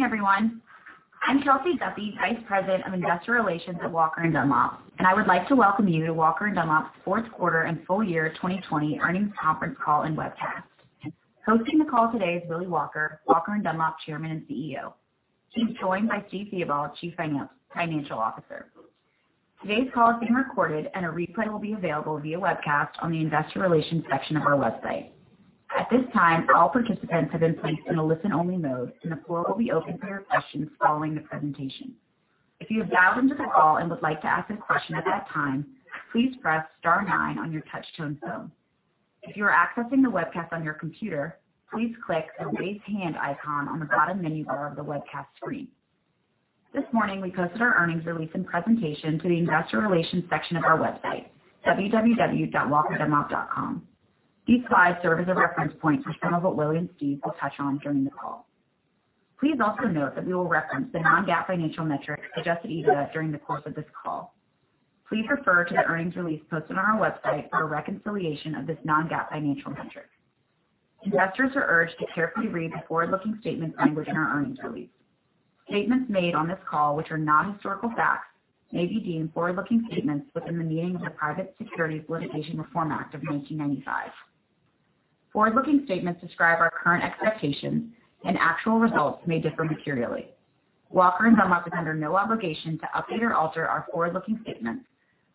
Good morning, everyone. I'm Kelsey Duffey, Vice President of Investor Relations at Walker & Dunlop, and I would like to welcome you to Walker & Dunlop's fourth quarter and full year 2020 earnings conference call and webcast. Hosting the call today is Willy Walker, Walker & Dunlop Chairman and CEO. He's joined by Steve Theobald, Chief Financial Officer. Today's call is being recorded, and a replay will be available via webcast on the Investor Relations section of our website. At this time, all participants have been placed in a listen-only mode, and the floor will be open for your questions following the presentation. If you have dialed into the call and would like to ask a question at that time, please press star nine on your touch-tone phone. If you are accessing the webcast on your computer, please click the raise hand icon on the bottom menu bar of the webcast screen. This morning, we posted our earnings release and presentation to the Investor Relations section of our website, www.walkeranddunlop.com. These slides serve as a reference point for some of what Willy and Steve will touch on during the call. Please also note that we will reference the non-GAAP financial metrics suggested even during the course of this call. Please refer to the earnings release posted on our website for a reconciliation of this non-GAAP financial metric. Investors are urged to carefully read the forward-looking statements language in our earnings release. Statements made on this call, which are non-historical facts, may be deemed forward-looking statements within the meaning of the Private Securities Litigation Reform Act of 1995. Forward-looking statements describe our current expectations, and actual results may differ materially. Walker & Dunlop is under no obligation to update or alter our forward-looking statements,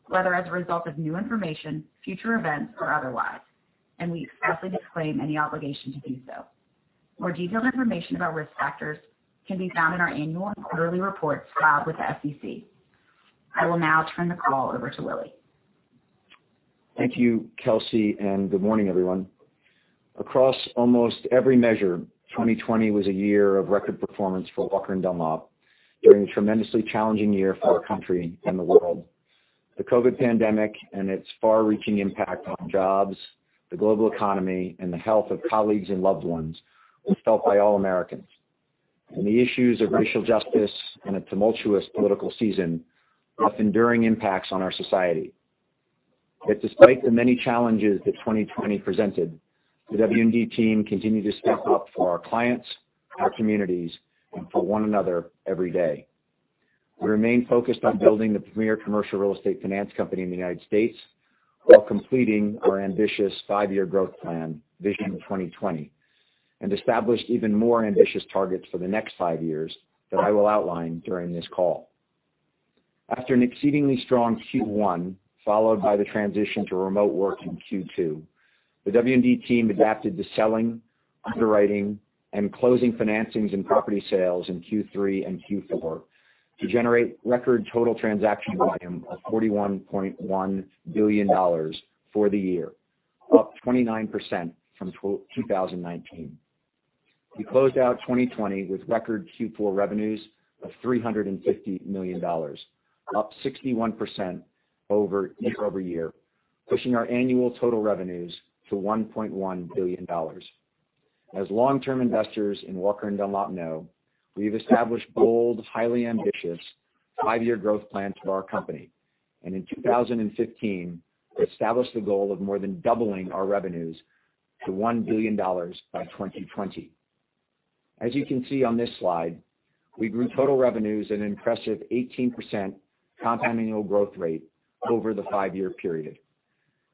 whether as a result of new information, future events, or otherwise, and we expressly disclaim any obligation to do so. More detailed information about risk factors can be found in our annual and quarterly reports filed with the SEC. I will now turn the call over to Willy. Thank you, Kelsey, and good morning, everyone. Across almost every measure, 2020 was a year of record performance for Walker & Dunlop during a tremendously challenging year for our country and the world. The COVID pandemic and its far-reaching impact on jobs, the global economy, and the health of colleagues and loved ones was felt by all Americans, and the issues of racial justice and a tumultuous political season left enduring impacts on our society. Yet, despite the many challenges that 2020 presented, the W&D team continued to step up for our clients, our communities, and for one another every day. We remain focused on building the premier commercial real estate finance company in the United States while completing our ambitious five-year growth plan, Vision 2020, and established even more ambitious targets for the next five years that I will outline during this call. After an exceedingly strong Q1 followed by the transition to remote work in Q2, the W&D team adapted to selling, underwriting, and closing financings and property sales in Q3 and Q4 to generate record total transaction volume of $41.1 billion for the year, up 29% from 2019. We closed out 2020 with record Q4 revenues of $350 million, up 61% year over year, pushing our annual total revenues to $1.1 billion. As long-term investors in Walker & Dunlop know, we have established bold, highly ambitious five-year growth plans for our company, and in 2015, we established the goal of more than doubling our revenues to $1 billion by 2020. As you can see on this slide, we grew total revenues at an impressive 18% compound annual growth rate over the five-year period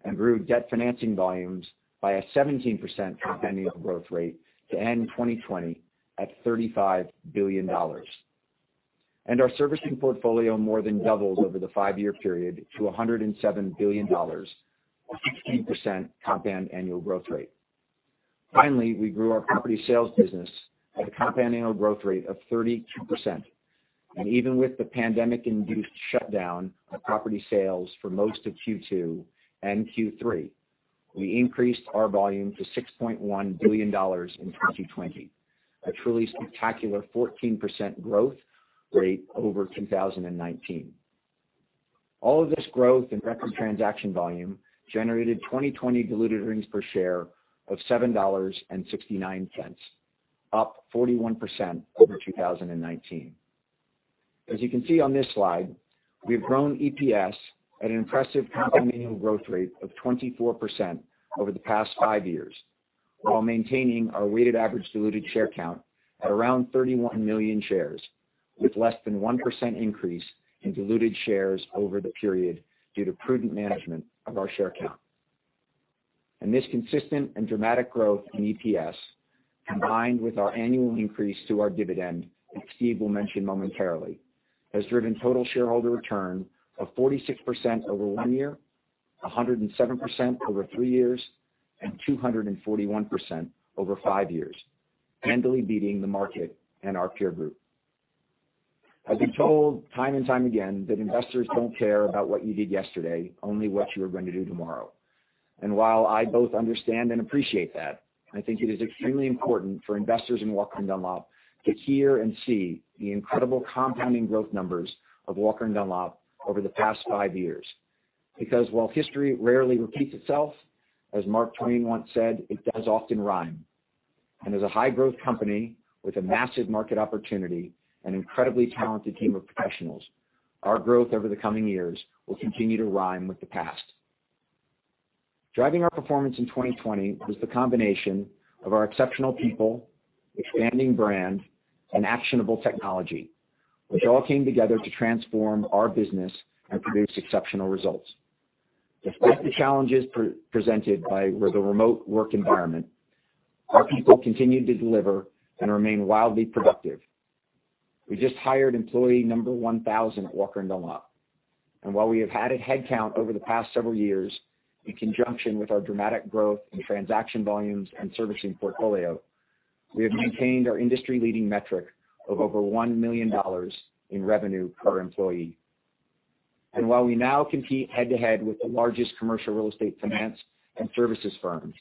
and grew debt financing volumes by a 17% compound annual growth rate to end 2020 at $35 billion, and our servicing portfolio more than doubled over the five-year period to $107 billion, a 16% compound annual growth rate. Finally, we grew our property sales business at a compound annual growth rate of 32%, and even with the pandemic-induced shutdown of property sales for most of Q2 and Q3, we increased our volume to $6.1 billion in 2020, a truly spectacular 14% growth rate over 2019. All of this growth in record transaction volume generated 2020 diluted earnings per share of $7.69, up 41% over 2019. As you can see on this slide, we have grown EPS at an impressive compound annual growth rate of 24% over the past five years while maintaining our weighted average diluted share count at around 31 million shares, with less than 1% increase in diluted shares over the period due to prudent management of our share count, and this consistent and dramatic growth in EPS, combined with our annual increase to our dividend, as Steve will mention momentarily, has driven total shareholder return of 46% over one year, 107% over three years, and 241% over five years, handily beating the market and our peer group. I've been told time and time again that investors don't care about what you did yesterday, only what you are going to do tomorrow. While I both understand and appreciate that, I think it is extremely important for investors in Walker & Dunlop to hear and see the incredible compounding growth numbers of Walker & Dunlop over the past five years. Because while history rarely repeats itself, as Mark Twain once said, it does often rhyme. As a high-growth company with a massive market opportunity and an incredibly talented team of professionals, our growth over the coming years will continue to rhyme with the past. Driving our performance in 2020 was the combination of our exceptional people, expanding brand, and actionable technology, which all came together to transform our business and produce exceptional results. Despite the challenges presented by the remote work environment, our people continued to deliver and remain wildly productive. We just hired employee number 1,000 at Walker & Dunlop. And while we have had a headcount over the past several years, in conjunction with our dramatic growth in transaction volumes and servicing portfolio, we have maintained our industry-leading metric of over $1 million in revenue per employee. And while we now compete head-to-head with the largest commercial real estate finance and services firms,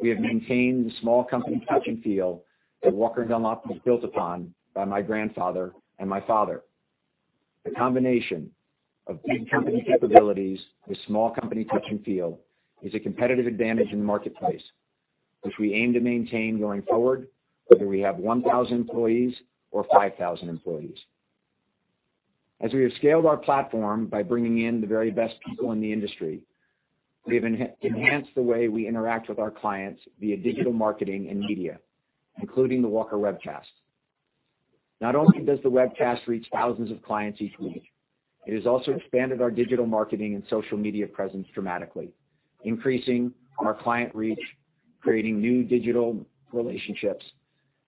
we have maintained the small company touch and feel that Walker & Dunlop was built upon by my grandfather and my father. The combination of big company capabilities with small company touch and feel is a competitive advantage in the marketplace, which we aim to maintain going forward, whether we have 1,000 employees or 5,000 employees. As we have scaled our platform by bringing in the very best people in the industry, we have enhanced the way we interact with our clients via digital marketing and media, including the Walker Webcast. Not only does the Walker Webcast reach thousands of clients each week, it has also expanded our digital marketing and social media presence dramatically, increasing our client reach, creating new digital relationships,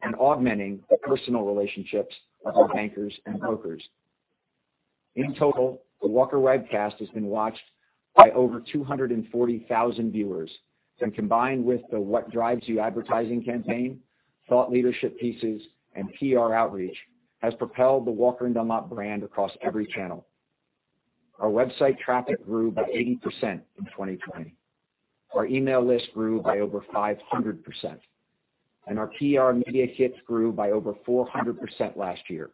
and augmenting personal relationships with our bankers and brokers. In total, the Walker Webcast has been watched by over 240,000 viewers, and combined with the What Drives You advertising campaign, thought leadership pieces, and PR outreach, has propelled the Walker & Dunlop brand across every channel. Our website traffic grew by 80% in 2020. Our email list grew by over 500%, and our PR media kits grew by over 400% last year,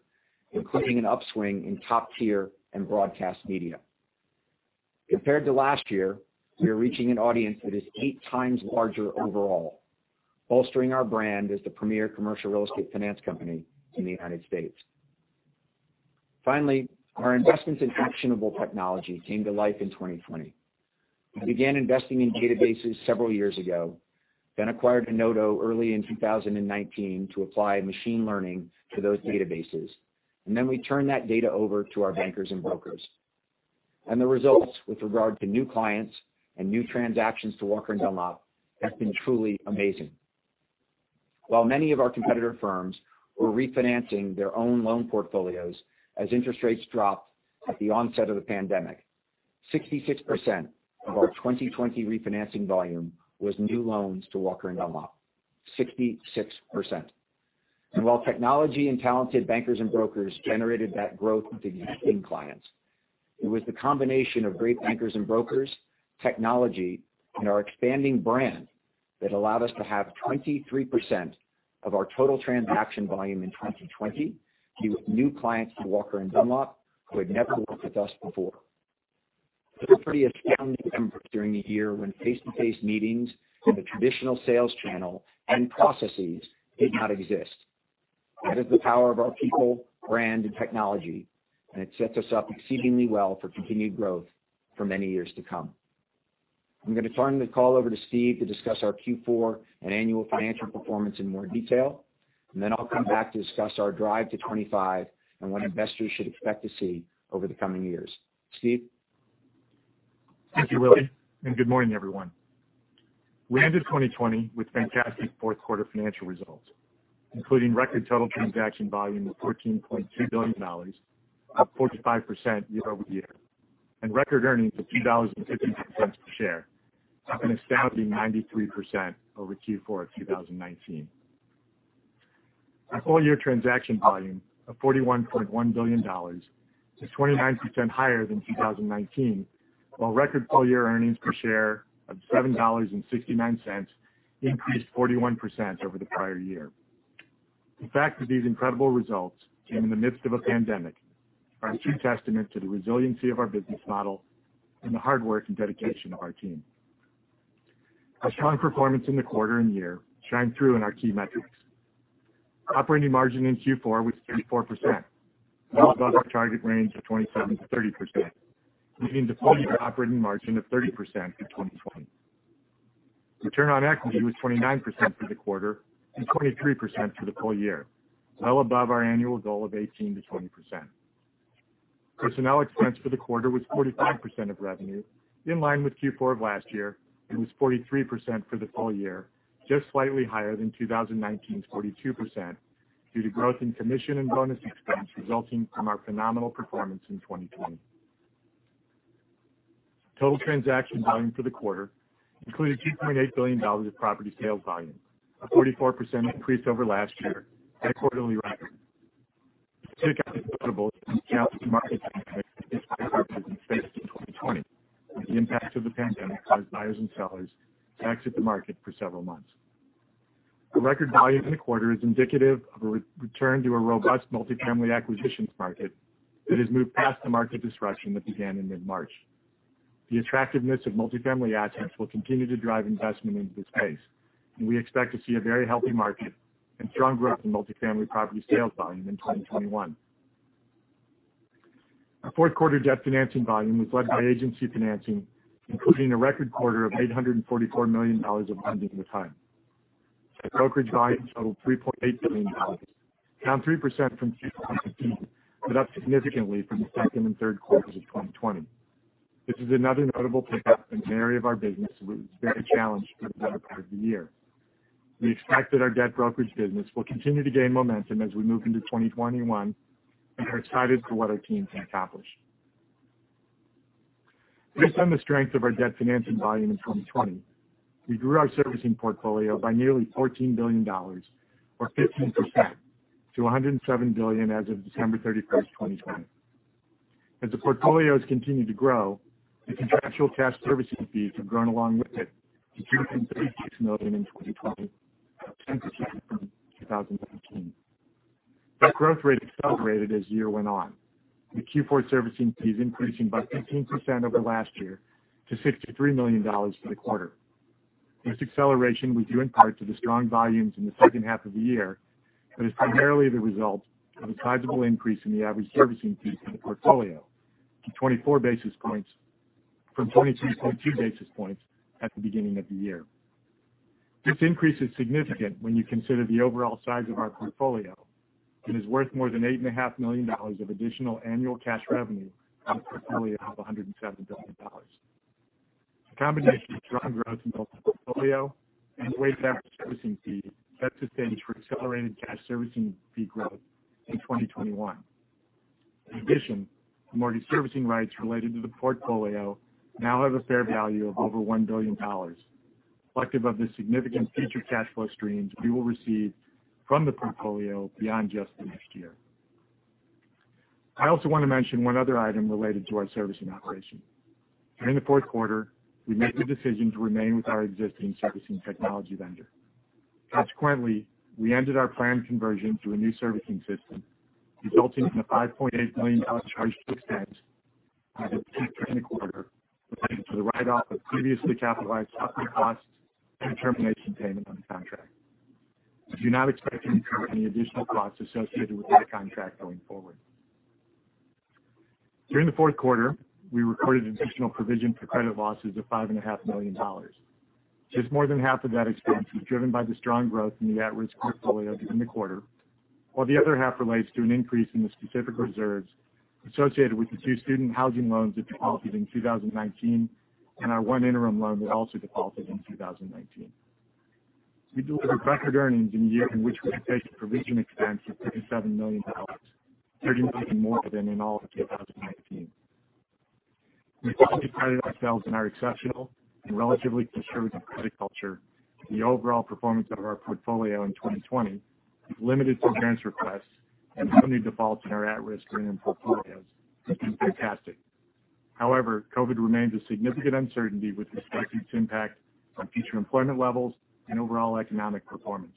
including an upswing in top-tier and broadcast media. Compared to last year, we are reaching an audience that is eight times larger overall, bolstering our brand as the premier commercial real estate finance company in the United States. Finally, our investments in actionable technology came to life in 2020. We began investing in databases several years ago, then acquired Enodo early in 2019 to apply machine learning to those databases, and then we turned that data over to our bankers and brokers, and the results with regard to new clients and new transactions to Walker & Dunlop have been truly amazing. While many of our competitor firms were refinancing their own loan portfolios as interest rates dropped at the onset of the pandemic, 66% of our 2020 refinancing volume was new loans to Walker & Dunlop, 66%. And while technology and talented bankers and brokers generated that growth with existing clients, it was the combination of great bankers and brokers, technology, and our expanding brand that allowed us to have 23% of our total transaction volume in 2020 be with new clients to Walker & Dunlop who had never worked with us before. It was a pretty astounding number during the year when face-to-face meetings and the traditional sales channel and processes did not exist. That is the power of our people, brand, and technology, and it sets us up exceedingly well for continued growth for many years to come. I'm going to turn the call over to Steve to discuss our Q4 and annual financial performance in more detail, and then I'll come back to discuss our Drive to 25 and what investors should expect to see over the coming years. Steve. Thank you, Willy, and good morning, everyone. We ended 2020 with fantastic fourth quarter financial results, including record total transaction volume of $14.2 billion, up 45% year over year, and record earnings of $2.52 per share, up an astounding 93% over Q4 of 2019. Our full-year transaction volume of $41.1 billion is 29% higher than 2019, while record full-year earnings per share of $7.69 increased 41% over the prior year. The fact that these incredible results came in the midst of a pandemic are a true testament to the resiliency of our business model and the hard work and dedication of our team. Our strong performance in the quarter and year shined through in our key metrics. Operating margin in Q4 was 34%, well above our target range of 27%-30%, leading to full-year operating margin of 30% for 2020. Return on equity was 29% for the quarter and 23% for the full year, well above our annual goal of 18%-20%. Personnel expense for the quarter was 45% of revenue, in line with Q4 of last year, and was 43% for the full year, just slightly higher than 2019's 42% due to growth in commission and bonus expense resulting from our phenomenal performance in 2020. Total transaction volume for the quarter included $2.8 billion of property sales volume, a 44% increase over last year, at a quarterly record. The takeout is notable as we have been challenged by market dynamics in 2020 and the impact of the pandemic on buyers and sellers back to the market for several months. The record volume in the quarter is indicative of a return to a robust multifamily acquisitions market that has moved past the market disruption that began in mid-March. The attractiveness of multifamily assets will continue to drive investment into this space, and we expect to see a very healthy market and strong growth in multifamily property sales volume in 2021. Our fourth quarter debt financing volume was led by agency financing, including a record quarter of $844 million of lending with HUD. Our brokerage volume totaled $3.8 billion, down 3% from 2019, but up significantly from the second and third quarters of 2020. This is another notable takeout in an area of our business that was very challenged for the better part of the year. We expect that our debt brokerage business will continue to gain momentum as we move into 2021 and are excited for what our team can accomplish. Based on the strength of our debt financing volume in 2020, we grew our servicing portfolio by nearly $14 billion, or 15%, to $107 billion as of December 31st, 2020. As the portfolio has continued to grow, the contractual cash servicing fees have grown along with it to $2.36 million in 2020, up 10% from 2019. That growth rate accelerated as the year went on, with Q4 servicing fees increasing by 15% over last year to $63 million for the quarter. This acceleration was due in part to the strong volumes in the second half of the year but is primarily the result of a sizable increase in the average servicing fee for the portfolio to 24 basis points from 23.2 basis points at the beginning of the year. This increase is significant when you consider the overall size of our portfolio and is worth more than $8.5 million of additional annual cash revenue on a portfolio of $107 billion. The combination of strong growth in both the portfolio and the waived after servicing fee sets the stage for accelerated cash servicing fee growth in 2021. In addition, the mortgage servicing rights related to the portfolio now have a fair value of over $1 billion, collective of the significant future cash flow streams we will receive from the portfolio beyond just the next year. I also want to mention one other item related to our servicing operation. During the fourth quarter, we made the decision to remain with our existing servicing technology vendor. Consequently, we ended our planned conversion to a new servicing system, resulting in a $5.8 million charge to expense in Q3 and the quarter related to the write-off of previously capitalized upfront costs and termination payment on the contract. I do not expect to incur any additional costs associated with that contract going forward. During the fourth quarter, we recorded additional provision for credit losses of $5.5 million. Just more than half of that expense was driven by the strong growth in the at-risk portfolio during the quarter, while the other half relates to an increase in the specific reserves associated with the two student housing loans that defaulted in 2019 and our one interim loan that also defaulted in 2019. We delivered record earnings in a year in which we reversed the provision expense of $37 million, 30% more than in all of 2019. We finally credited ourselves and our exceptional and relatively conservative credit culture. The overall performance of our portfolio in 2020 is limited to grants requests and the only defaults in our at-risk interim portfolios have been fantastic. However, COVID remains a significant uncertainty with respect to its impact on future employment levels and overall economic performance.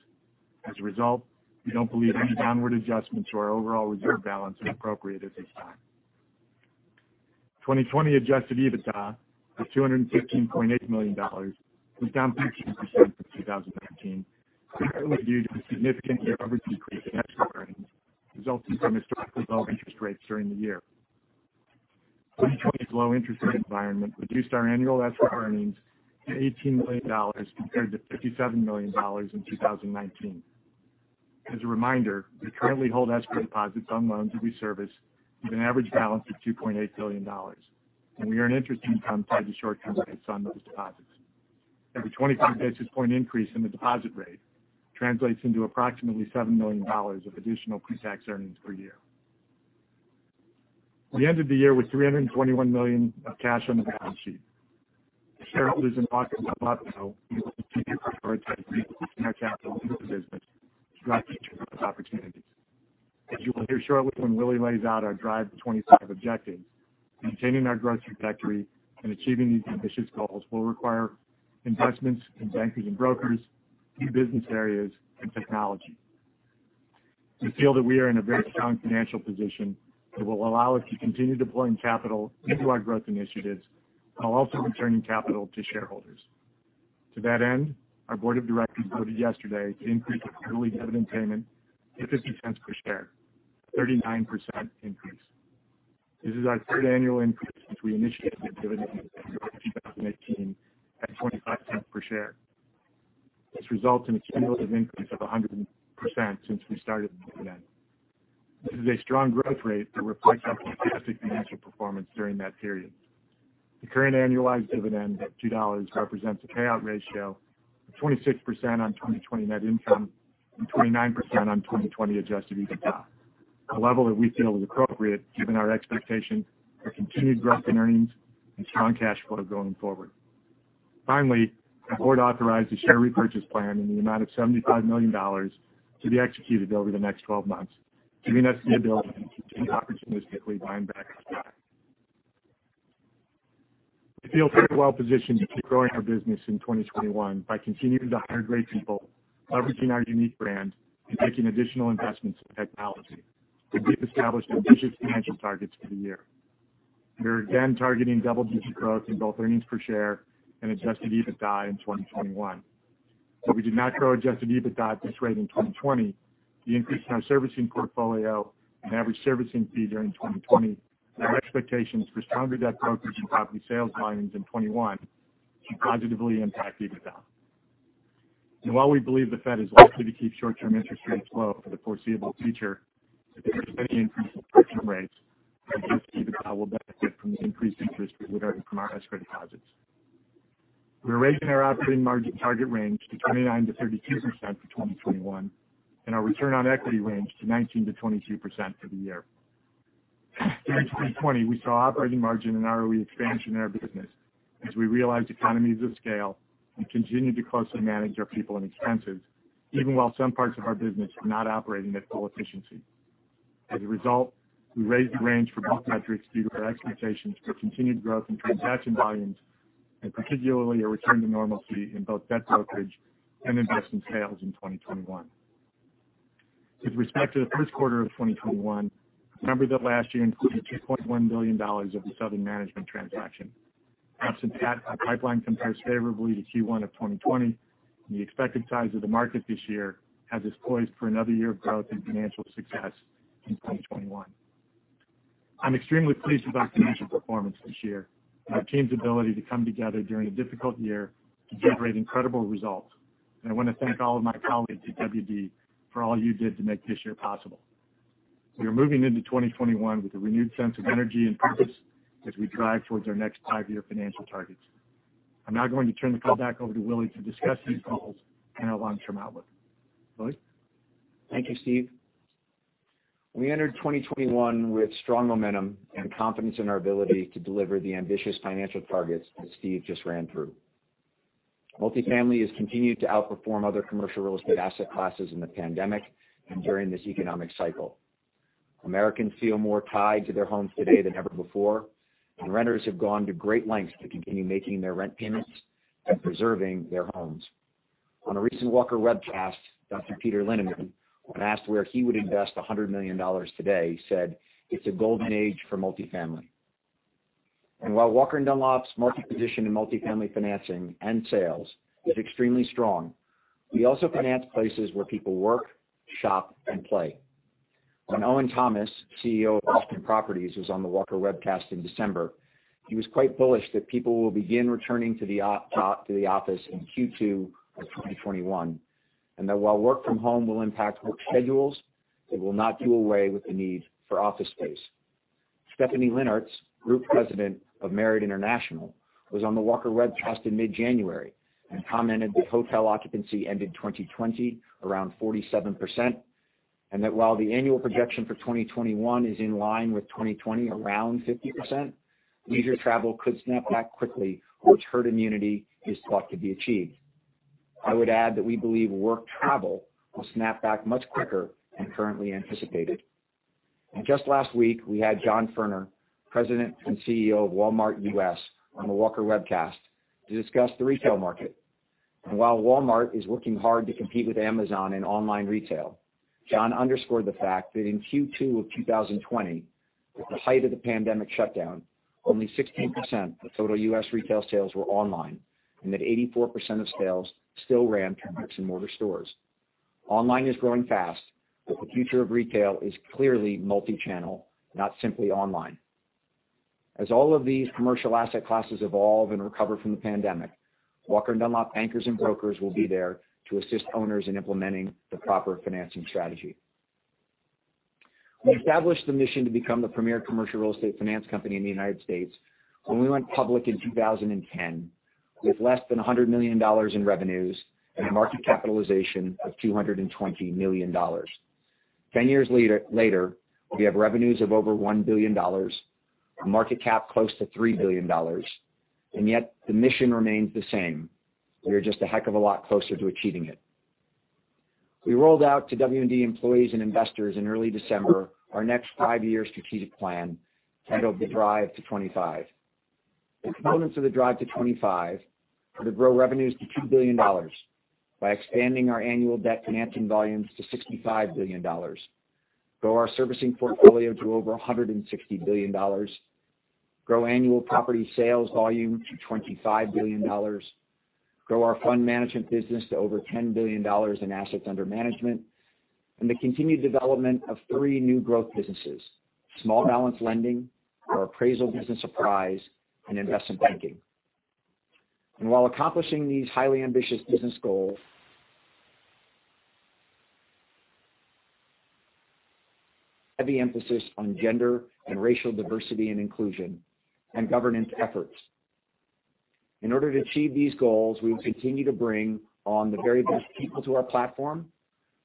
As a result, we don't believe any downward adjustment to our overall reserve balance is appropriate at this time. 2020 Adjusted EBITDA of $215.8 million was down 13% from 2019, primarily due to a significant year-over-year decrease in escrow earnings resulting from historically low interest rates during the year. 2020's low interest rate environment reduced our annual escrow earnings to $18 million compared to $57 million in 2019. As a reminder, we currently hold escrow deposits on loans that we service with an average balance of $2.8 billion, and we earn interest income tied to short-term rates on those deposits. Every 25 basis points increase in the deposit rate translates into approximately $7 million of additional pre-tax earnings per year. We ended the year with $321 million of cash on the balance sheet. As shareholders in Walker & Dunlop know, we will continue to prioritize equity in our capital into the business to drive future growth opportunities. As you will hear shortly when Willy lays out our Drive to 25 objectives, maintaining our growth trajectory and achieving these ambitious goals will require investments in bankers and brokers, key business areas, and technology. We feel that we are in a very strong financial position that will allow us to continue deploying capital into our growth initiatives while also returning capital to shareholders. To that end, our board of directors voted yesterday to increase our quarterly dividend payment to $0.50 per share, a 39% increase. This is our third annual increase since we initiated the dividend in February 2018 at $0.25 per share. This results in a cumulative increase of 100% since we started the dividend. This is a strong growth rate that reflects our fantastic financial performance during that period. The current annualized dividend of $2.00 represents a payout ratio of 26% on 2020 net income and 29% on 2020 Adjusted EBITDA, a level that we feel is appropriate given our expectation for continued growth in earnings and strong cash flow going forward. Finally, our board authorized a share repurchase plan in the amount of $75 million to be executed over the next 12 months, giving us the ability to continue opportunistically buying back our stock. We feel very well positioned to grow our business in 2021 by continuing to hire great people, leveraging our unique brand, and making additional investments in technology. We've established ambitious financial targets for the year. We are again targeting double-digit growth in both earnings per share and adjusted EBITDA in 2021. While we did not grow adjusted EBITDA at this rate in 2020, the increase in our servicing portfolio and average servicing fee during 2020 and our expectations for stronger debt brokerage and property sales volumes in 2021 should positively impact EBITDA. And while we believe the Fed is likely to keep short-term interest rates low for the foreseeable future, if there is any increase in policy rates, I believe EBITDA will benefit from the increased interest we would earn from our escrow deposits. We are raising our operating margin target range to 29%-32% for 2021 and our return on equity range to 19%-22% for the year. During 2020, we saw operating margin and ROE expansion in our business as we realized economies of scale and continued to closely manage our people and expenses, even while some parts of our business were not operating at full efficiency. As a result, we raised the range for both metrics due to our expectations for continued growth in transaction volumes and particularly a return to normalcy in both debt brokerage and investment sales in 2021. With respect to the first quarter of 2021, remember that last year included $2.1 billion of the Southern Management transaction. Absent that, our pipeline compares favorably to Q1 of 2020, and the expected size of the market this year is poised for another year of growth and financial success in 2021. I'm extremely pleased with our financial performance this year and our team's ability to come together during a difficult year to generate incredible results, and I want to thank all of my colleagues at WD for all you did to make this year possible. We are moving into 2021 with a renewed sense of energy and purpose as we drive towards our next five-year financial targets. I'm now going to turn the call back over to Willy to discuss these goals and our long-term outlook. Willy? Thank you, Steve. We entered 2021 with strong momentum and confidence in our ability to deliver the ambitious financial targets that Steve just ran through. Multifamily has continued to outperform other commercial real estate asset classes in the pandemic and during this economic cycle. Americans feel more tied to their homes today than ever before, and renters have gone to great lengths to continue making their rent payments and preserving their homes. On a recent Walker Webcast, Dr. Peter Linneman, when asked where he would invest $100 million today, said, "It's a golden age for multifamily." And while Walker & Dunlop's market position and multifamily financing and sales is extremely strong, we also finance places where people work, shop, and play. When Owen Thomas, CEO of Boston Properties, was on the Walker Webcast in December, he was quite bullish that people will begin returning to the office in Q2 of 2021 and that while work from home will impact work schedules, it will not do away with the need for office space. Stephanie Linnartz, Group President of Marriott International, was on the Walker Webcast in mid-January and commented that hotel occupancy ended 2020 around 47% and that while the annual projection for 2021 is in line with 2020 around 50%, leisure travel could snap back quickly once herd immunity is thought to be achieved. I would add that we believe work travel will snap back much quicker than currently anticipated. And just last week, we had John Furner, President and CEO of Walmart U.S., on the Walker Webcast to discuss the retail market. While Walmart is working hard to compete with Amazon in online retail, John underscored the fact that in Q2 of 2020, at the height of the pandemic shutdown, only 16% of total U.S. retail sales were online and that 84% of sales still ran through brick-and-mortar stores. Online is growing fast, but the future of retail is clearly multi-channel, not simply online. As all of these commercial asset classes evolve and recover from the pandemic, Walker & Dunlop bankers and brokers will be there to assist owners in implementing the proper financing strategy. We established the mission to become the premier commercial real estate finance company in the United States when we went public in 2010 with less than $100 million in revenues and a market capitalization of $220 million. Ten years later, we have revenues of over $1 billion, a market cap close to $3 billion, and yet the mission remains the same. We are just a heck of a lot closer to achieving it. We rolled out to W&D employees and investors in early December our next five-year strategic plan titled The Drive to 25. The components of The Drive to 25 are to grow revenues to $2 billion by expanding our annual debt financing volumes to $65 billion, grow our servicing portfolio to over $160 billion, grow annual property sales volume to $25 billion, grow our fund management business to over $10 billion in assets under management, and the continued development of three new growth businesses: small balance lending, our appraisal business Apprise, and investment banking. While accomplishing these highly ambitious business goals, heavy emphasis on gender and racial diversity and inclusion, and governance efforts. In order to achieve these goals, we will continue to bring on the very best people to our platform,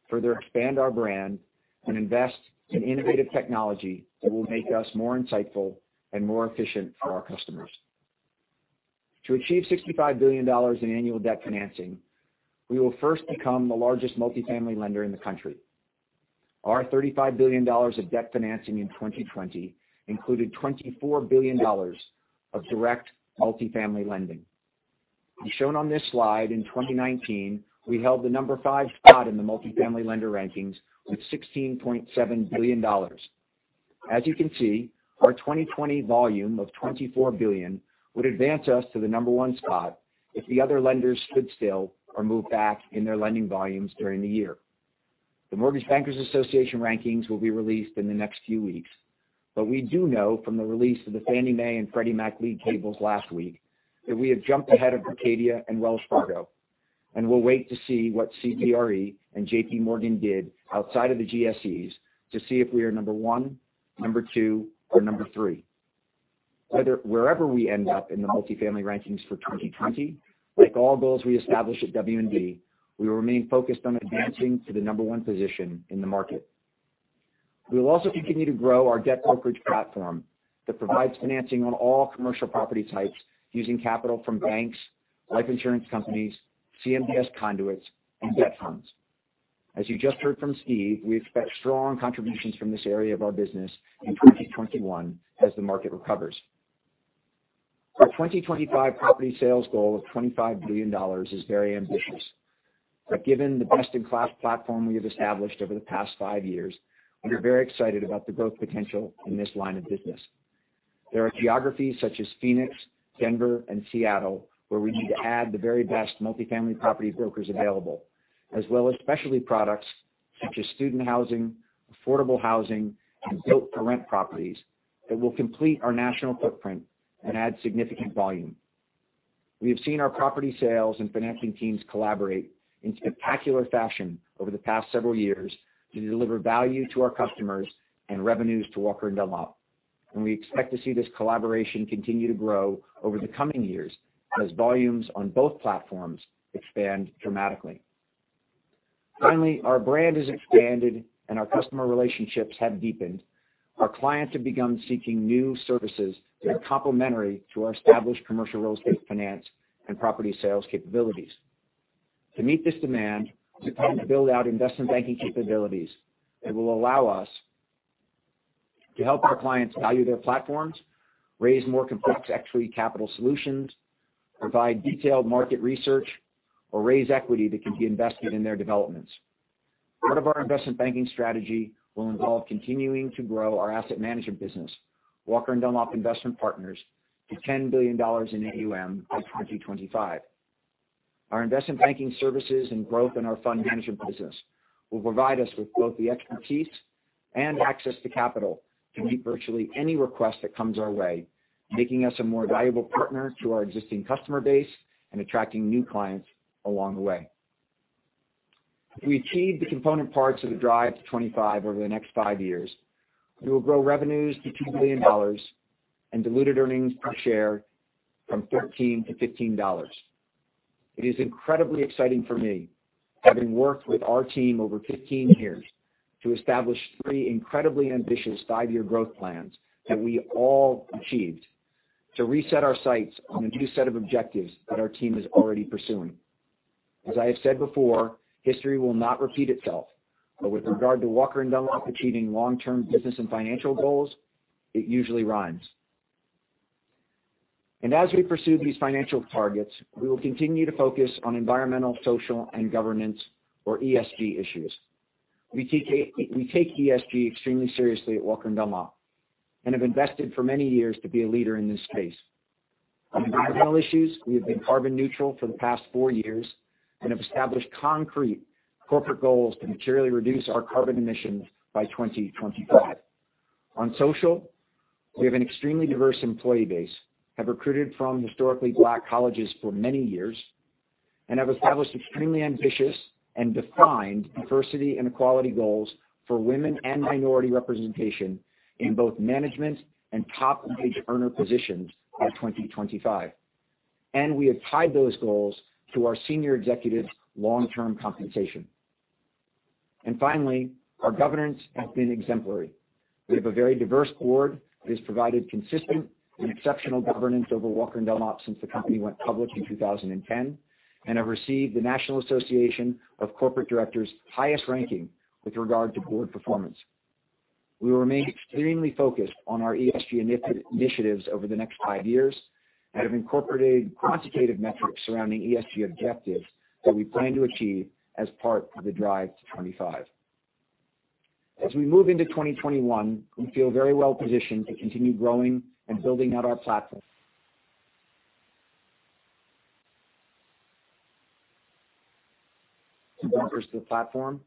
further expand our brand, and invest in innovative technology that will make us more insightful and more efficient for our customers. To achieve $65 billion in annual debt financing, we will first become the largest multifamily lender in the country. Our $35 billion of debt financing in 2020 included $24 billion of direct multifamily lending. As shown on this slide, in 2019, we held the number five spot in the multifamily lender rankings with $16.7 billion. As you can see, our 2020 volume of $24 billion would advance us to the number one spot if the other lenders stood still or moved back in their lending volumes during the year. The Mortgage Bankers Association rankings will be released in the next few weeks, but we do know from the release of the Fannie Mae and Freddie Mac league tables last week that we have jumped ahead of Berkadia and Wells Fargo, and we'll wait to see what CBRE and JPMorgan did outside of the GSEs to see if we are number one, number two, or number three. Wherever we end up in the multifamily rankings for 2020, like all goals we establish at W&D, we will remain focused on advancing to the number one position in the market. We will also continue to grow our debt brokerage platform that provides financing on all commercial property types using capital from banks, life insurance companies, CMBS conduits, and debt funds. As you just heard from Steve, we expect strong contributions from this area of our business in 2021 as the market recovers. Our 2025 property sales goal of $25 billion is very ambitious, but given the best-in-class platform we have established over the past five years, we are very excited about the growth potential in this line of business. There are geographies such as Phoenix, Denver, and Seattle where we need to add the very best multifamily property brokers available, as well as specialty products such as student housing, affordable housing, and build-to-rent properties that will complete our national footprint and add significant volume. We have seen our property sales and financing teams collaborate in spectacular fashion over the past several years to deliver value to our customers and revenues to Walker & Dunlop, and we expect to see this collaboration continue to grow over the coming years as volumes on both platforms expand dramatically. Finally, our brand has expanded and our customer relationships have deepened. Our clients have begun seeking new services that are complementary to our established commercial real estate finance and property sales capabilities. To meet this demand, we plan to build out investment banking capabilities that will allow us to help our clients value their platforms, raise more complex equity capital solutions, provide detailed market research, or raise equity that can be invested in their developments. Part of our investment banking strategy will involve continuing to grow our asset management business, Walker & Dunlop Investment Partners, to $10 billion in AUM by 2025. Our investment banking services and growth in our fund management business will provide us with both the expertise and access to capital to meet virtually any request that comes our way, making us a more valuable partner to our existing customer base and attracting new clients along the way. If we achieve the component parts of Drive to 25 over the next five years, we will grow revenues to $2 billion and diluted earnings per share from $13 to $15. It is incredibly exciting for me, having worked with our team over 15 years to establish three incredibly ambitious five-year growth plans that we all achieved, to reset our sights on a new set of objectives that our team is already pursuing. As I have said before, history will not repeat itself, but with regard to Walker & Dunlop achieving long-term business and financial goals, it usually rhymes, and as we pursue these financial targets, we will continue to focus on environmental, social, and governance, or ESG, issues. We take ESG extremely seriously at Walker & Dunlop and have invested for many years to be a leader in this space. On environmental issues, we have been carbon neutral for the past four years and have established concrete corporate goals to materially reduce our carbon emissions by 2025. On social, we have an extremely diverse employee base, have recruited from historically Black colleges for many years, and have established extremely ambitious and defined diversity and equality goals for women and minority representation in both management and top earner positions by 2025, and we have tied those goals to our senior executives' long-term compensation. And finally, our governance has been exemplary. We have a very diverse board that has provided consistent and exceptional governance over Walker & Dunlop since the company went public in 2010 and have received the National Association of Corporate Directors' highest ranking with regard to board performance. We will remain extremely focused on our ESG initiatives over the next five years and have incorporated quantitative metrics surrounding ESG objectives that we plan to achieve as part of The Drive to 25. As we move into 2021, we feel very well positioned to continue growing and building out our platform. To the platform,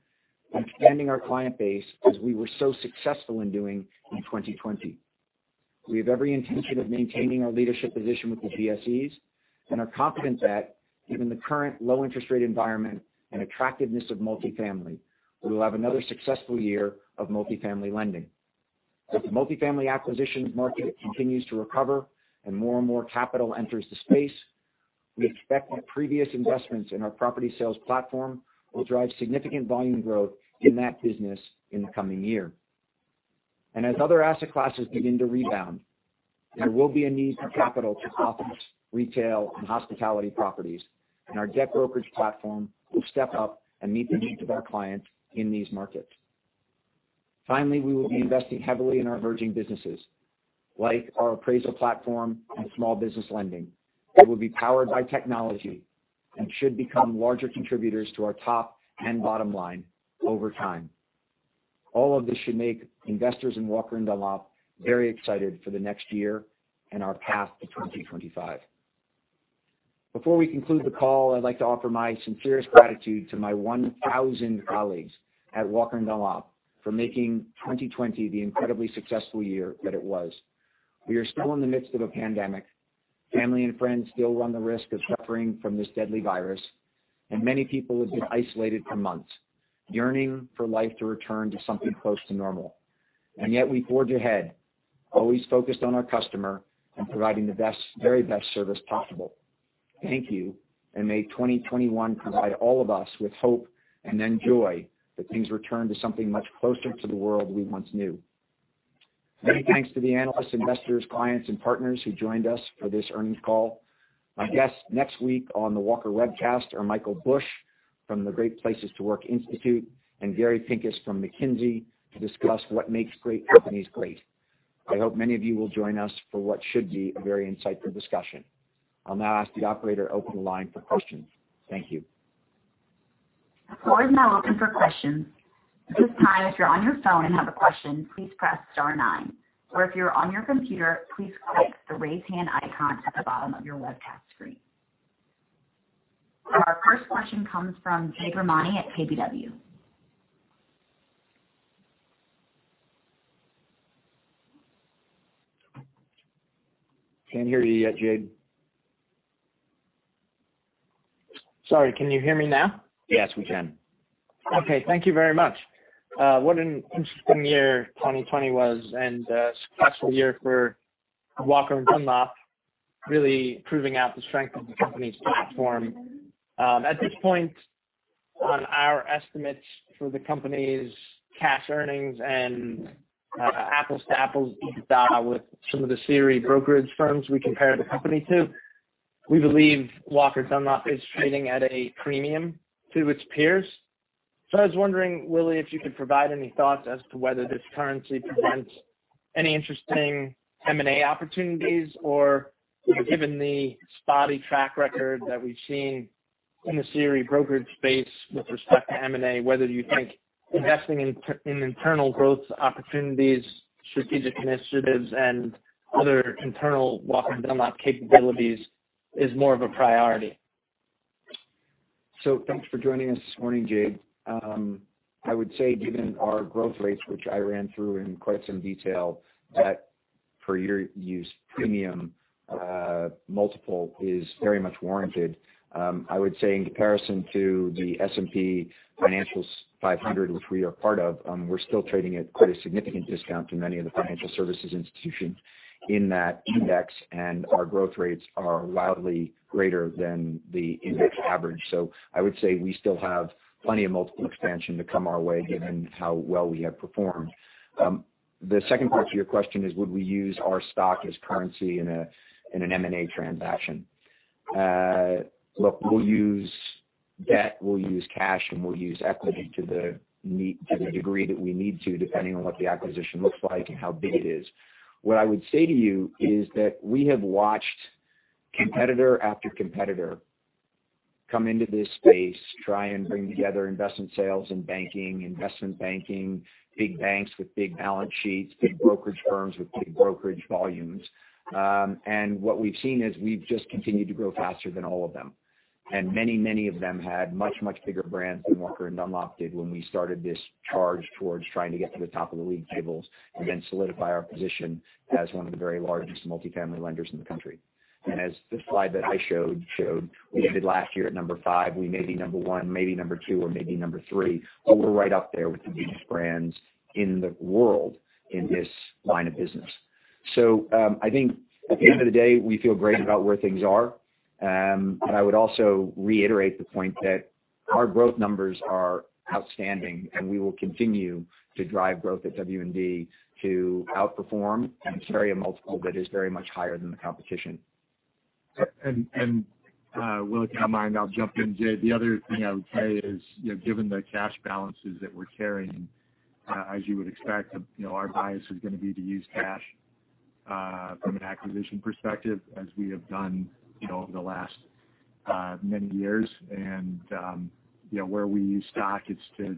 expanding our client base as we were so successful in doing in 2020. We have every intention of maintaining our leadership position with the GSEs and are confident that, given the current low interest rate environment and attractiveness of multifamily, we will have another successful year of multifamily lending. As the multifamily acquisitions market continues to recover and more and more capital enters the space, we expect that previous investments in our property sales platform will drive significant volume growth in that business in the coming year. And as other asset classes begin to rebound, there will be a need for capital to office, retail, and hospitality properties, and our debt brokerage platform will step up and meet the needs of our clients in these markets. Finally, we will be investing heavily in our emerging businesses, like our appraisal platform and small balance lending. It will be powered by technology and should become larger contributors to our top and bottom line over time. All of this should make investors in Walker & Dunlop very excited for the next year and our path to 2025. Before we conclude the call, I'd like to offer my sincere gratitude to my 1,000 colleagues at Walker & Dunlop for making 2020 the incredibly successful year that it was. We are still in the midst of a pandemic. Family and friends still run the risk of suffering from this deadly virus, and many people have been isolated for months, yearning for life to return to something close to normal, and yet we forge ahead, always focused on our customer and providing the very best service possible. Thank you, and may 2021 provide all of us with hope and then joy that things return to something much closer to the world we once knew. Many thanks to the analysts, investors, clients, and partners who joined us for this earnings call. My guests next week on the Walker Webcast are Michael Bush from the Great Place to Work Institute and Gary Pinkus from McKinsey to discuss what makes great companies great. I hope many of you will join us for what should be a very insightful discussion. I'll now ask the operator to open the line for questions. Thank you. The floor is now open for questions. At this time, if you're on your phone and have a question, please press star nine, or if you're on your computer, please click the raise hand icon at the bottom of your webcast screen. Our first question comes from Jade Rahmani at KBW. Can't hear you yet, Jade. Sorry, can you hear me now? Yes, we can. Okay, thank you very much. What an interesting year 2020 was and a successful year for Walker & Dunlop, really proving out the strength of the company's platform. At this point, on our estimates for the company's cash earnings and apples to apples with some of the debt brokerage firms we compare the company to, we believe Walker & Dunlop is trading at a premium to its peers. So I was wondering, Willy, if you could provide any thoughts as to whether this currency presents any interesting M&A opportunities, or given the spotty track record that we've seen in the debt brokerage space with respect to M&A, whether you think investing in internal growth opportunities, strategic initiatives, and other internal Walker & Dunlop capabilities is more of a priority. Thanks for joining us this morning, Jade. I would say, given our growth rates, which I ran through in quite some detail, that P/E's premium multiple is very much warranted. I would say, in comparison to the S&P 500 Financials, which we are part of, we're still trading at quite a significant discount to many of the financial services institutions in that index, and our growth rates are wildly greater than the index average. I would say we still have plenty of multiple expansion to come our way, given how well we have performed. The second part to your question is, would we use our stock as currency in an M&A transaction? Look, we'll use debt, we'll use cash, and we'll use equity to the degree that we need to, depending on what the acquisition looks like and how big it is. What I would say to you is that we have watched competitor after competitor come into this space, try and bring together investment sales and banking, investment banking, big banks with big balance sheets, big brokerage firms with big brokerage volumes. And what we've seen is we've just continued to grow faster than all of them. And many, many of them had much, much bigger brands than Walker & Dunlop did when we started this charge towards trying to get to the top of the league tables and then solidify our position as one of the very largest multifamily lenders in the country. And as the slide that I showed showed, we did last year at number five. We may be number one, maybe number two, or maybe number three, but we're right up there with the biggest brands in the world in this line of business. So I think at the end of the day, we feel great about where things are. And I would also reiterate the point that our growth numbers are outstanding, and we will continue to drive growth at W&D to outperform and carry a multiple that is very much higher than the competition. Willy, if you don't mind, I'll jump in. Jade, the other thing I would say is, given the cash balances that we're carrying, as you would expect, our bias is going to be to use cash from an acquisition perspective, as we have done over the last many years. And where we use stock is to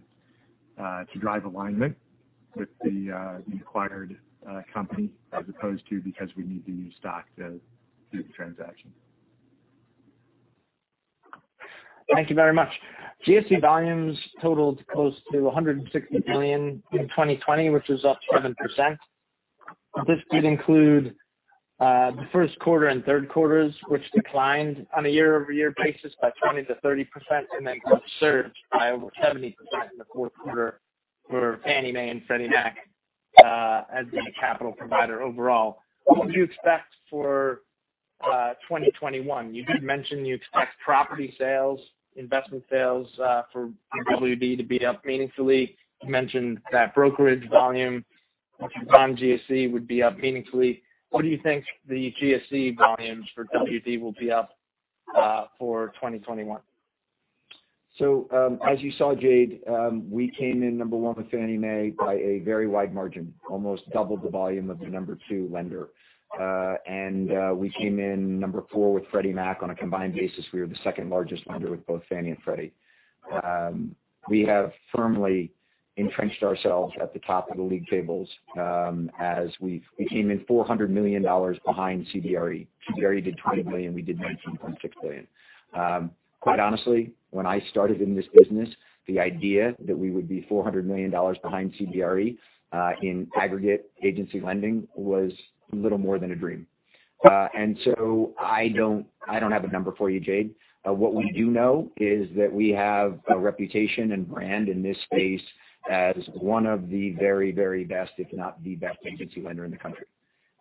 drive alignment with the acquired company as opposed to because we need to use stock to do the transaction. Thank you very much. GSE volumes totaled close to $160 million in 2020, which is up 7%. This did include the first quarter and third quarters, which declined on a year-over-year basis by 20%-30%, and then surged by over 70% in the fourth quarter for Fannie Mae and Freddie Mac as the capital provider overall. What would you expect for 2021? You did mention you expect property sales, investment sales for W&D to be up meaningfully. You mentioned that brokerage volume on GSE would be up meaningfully. What do you think the GSE volumes for W&D will be up for 2021? So as you saw, Jade, we came in number one with Fannie Mae by a very wide margin, almost double the volume of the number two lender. And we came in number four with Freddie Mac. On a combined basis, we were the second largest lender with both Fannie and Freddie. We have firmly entrenched ourselves at the top of the league tables as we came in $400 million behind CBRE. CBRE did $20 million. We did $19.6 billion. Quite honestly, when I started in this business, the idea that we would be $400 million behind CBRE in aggregate agency lending was a little more than a dream. And so I don't have a number for you, Jade. What we do know is that we have a reputation and brand in this space as one of the very, very best, if not the best agency lender in the country.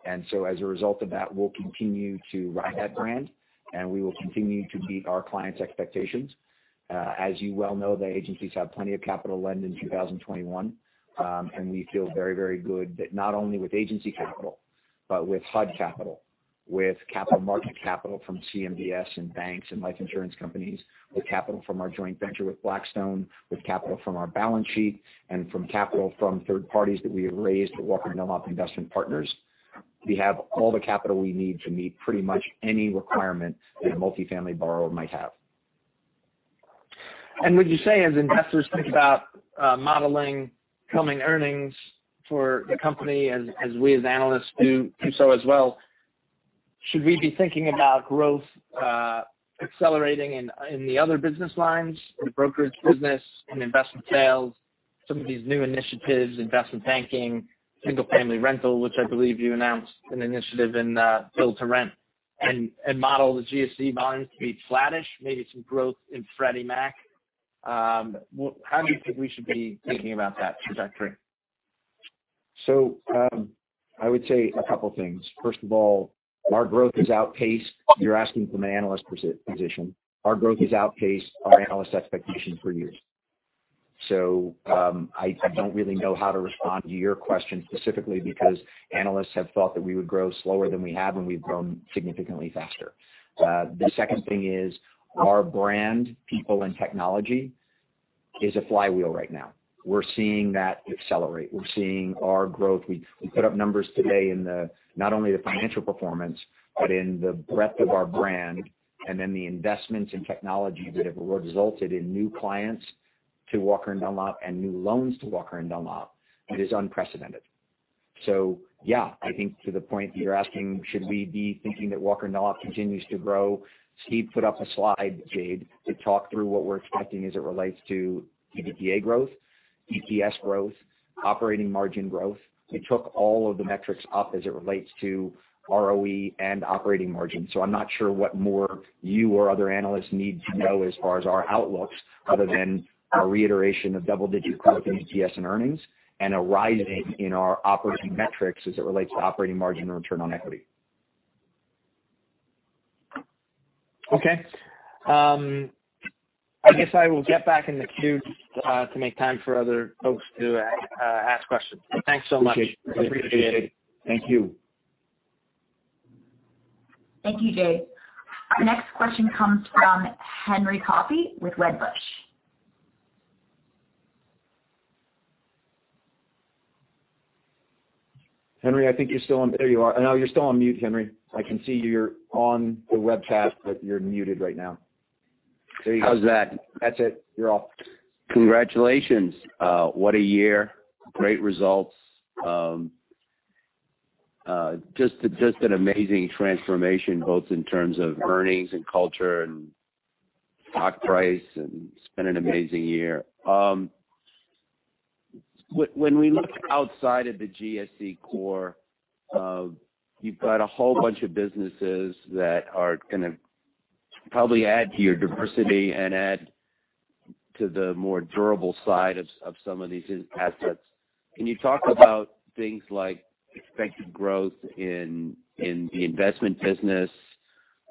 As a result of that, we'll continue to ride that brand, and we will continue to meet our clients' expectations. As you well know, the agencies have plenty of capital to lend in 2021, and we feel very, very good that not only with agency capital, but with HUD capital, with capital markets capital from CMBS and banks and life insurance companies, with capital from our joint venture with Blackstone, with capital from our balance sheet, and from capital from third parties that we have raised for Walker & Dunlop Investment Partners, we have all the capital we need to meet pretty much any requirement that a multifamily borrower might have. And would you say, as investors think about modeling coming earnings for the company, as we as analysts do so as well, should we be thinking about growth accelerating in the other business lines, the brokerage business and investment sales, some of these new initiatives, investment banking, single-family rental, which I believe you announced an initiative in Build-to-Rent, and model the GSE volumes to be flattish, maybe some growth in Freddie Mac? How do you think we should be thinking about that trajectory? So I would say a couple of things. First of all, our growth is outpaced, you're asking from an analyst position, our growth is outpaced our analyst expectations for years. So I don't really know how to respond to your question specifically because analysts have thought that we would grow slower than we have, and we've grown significantly faster. The second thing is our brand, people, and technology is a flywheel right now. We're seeing that accelerate. We're seeing our growth. We put up numbers today in not only the financial performance, but in the breadth of our brand, and then the investments and technology that have resulted in new clients to Walker & Dunlop and new loans to Walker & Dunlop. It is unprecedented. So yeah, I think to the point you're asking, should we be thinking that Walker & Dunlop continues to grow? Steve put up a slide, Jade, to talk through what we're expecting as it relates to EBITDA growth, EPS growth, operating margin growth. We took all of the metrics up as it relates to ROE and operating margin. So I'm not sure what more you or other analysts need to know as far as our outlooks other than a reiteration of double-digit growth in EPS and earnings and a rising in our operating metrics as it relates to operating margin and return on equity. Okay. I guess I will get back in the queue to make time for other folks to ask questions. Thanks so much. Appreciate it. Thank you. Thank you, Jade. Our next question comes from Henry Coffey with Wedbush. Henry, I think you're still on. There you are. No, you're still on mute, Henry. I can see you're on the webcast, but you're muted right now. There you go. How's that? That's it. You're off. Congratulations. What a year. Great results. Just an amazing transformation, both in terms of earnings and culture and stock price, and it's been an amazing year. When we look outside of the GSE core, you've got a whole bunch of businesses that are going to probably add to your diversity and add to the more durable side of some of these assets. Can you talk about things like expected growth in the investment business,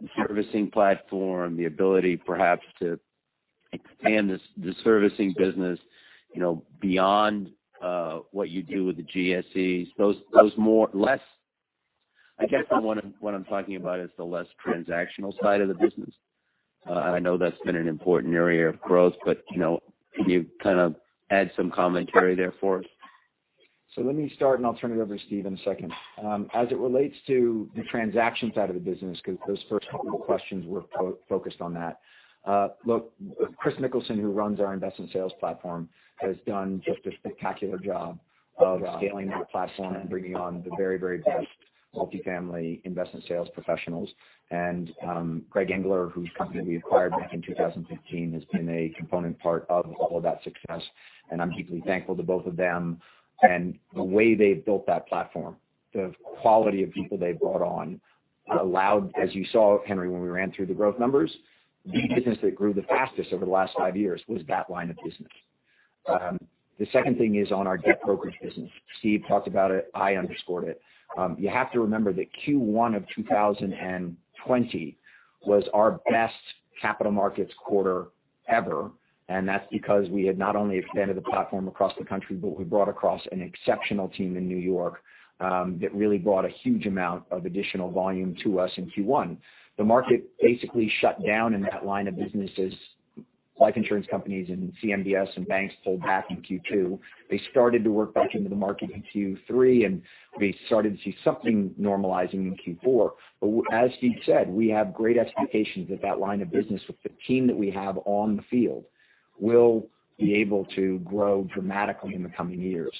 the servicing platform, the ability perhaps to expand the servicing business beyond what you do with the GSEs? I guess what I'm talking about is the less transactional side of the business. I know that's been an important area of growth, but can you kind of add some commentary there for us? So let me start, and I'll turn it over to Steve in a second. As it relates to the transaction side of the business, because those first couple of questions were focused on that, look, Kris Mikkelsen, who runs our investment sales platform, has done just a spectacular job of scaling the platform and bringing on the very, very best multifamily investment sales professionals. And Greg Engler, whose company we acquired back in 2015, has been a component part of all of that success. And I'm deeply thankful to both of them. And the way they've built that platform, the quality of people they've brought on, allowed, as you saw, Henry, when we ran through the growth numbers, the business that grew the fastest over the last five years was that line of business. The second thing is on our debt brokerage business. Steve talked about it. I underscored it. You have to remember that Q1 of 2020 was our best capital markets quarter ever, and that's because we had not only expanded the platform across the country, but we brought across an exceptional team in New York that really brought a huge amount of additional volume to us in Q1. The market basically shut down in that line of business as life insurance companies and CMBS and banks pulled back in Q2. They started to work back into the market in Q3, and we started to see something normalizing in Q4, but as Steve said, we have great expectations that that line of business with the team that we have on the field will be able to grow dramatically in the coming years,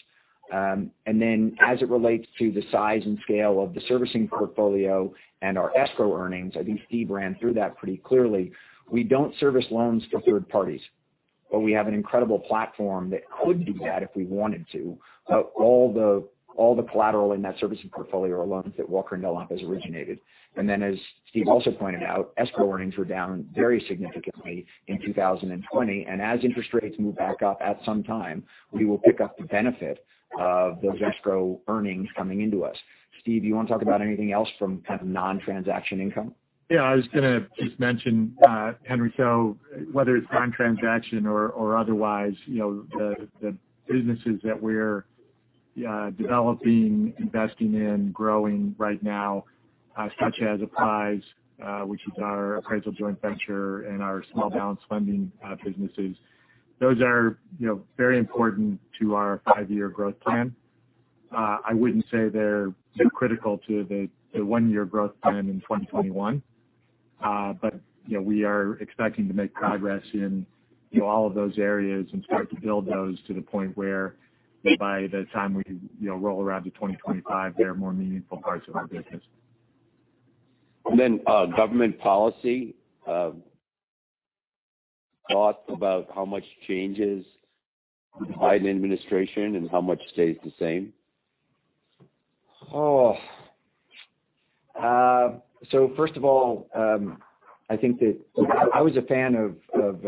and then as it relates to the size and scale of the servicing portfolio and our escrow earnings, I think Steve ran through that pretty clearly. We don't service loans for third parties, but we have an incredible platform that could do that if we wanted to. But all the collateral in that servicing portfolio are loans that Walker & Dunlop has originated. And then, as Steve also pointed out, escrow earnings were down very significantly in 2020. And as interest rates move back up at some time, we will pick up the benefit of those escrow earnings coming into us. Steve, do you want to talk about anything else from kind of non-transaction income? Yeah. I was going to just mention, Henry. So whether it's non-transaction or otherwise, the businesses that we're developing, investing in, growing right now, such as Apprise, which is our appraisal joint venture, and our small balance lending businesses, those are very important to our five-year growth plan. I wouldn't say they're critical to the one-year growth plan in 2021, but we are expecting to make progress in all of those areas and start to build those to the point where by the time we roll around to 2025, they're more meaningful parts of our business. And then government policy, thoughts about how much changes the Biden administration and how much stays the same? So first of all, I think that I was a fan of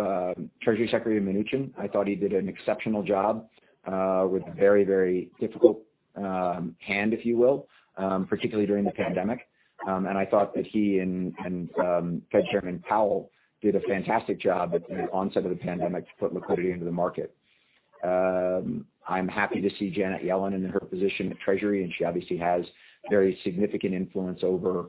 Treasury Secretary Mnuchin. I thought he did an exceptional job with a very, very difficult hand, if you will, particularly during the pandemic. And I thought that he and Fed Chairman Powell did a fantastic job at the onset of the pandemic to put liquidity into the market. I'm happy to see Janet Yellen in her position at Treasury, and she obviously has very significant influence over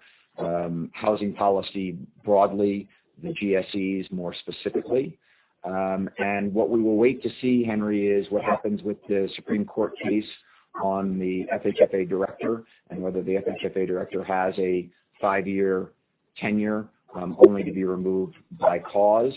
housing policy broadly, the GSEs more specifically. And what we will wait to see, Henry, is what happens with the Supreme Court case on the FHFA director and whether the FHFA director has a five-year tenure only to be removed by cause,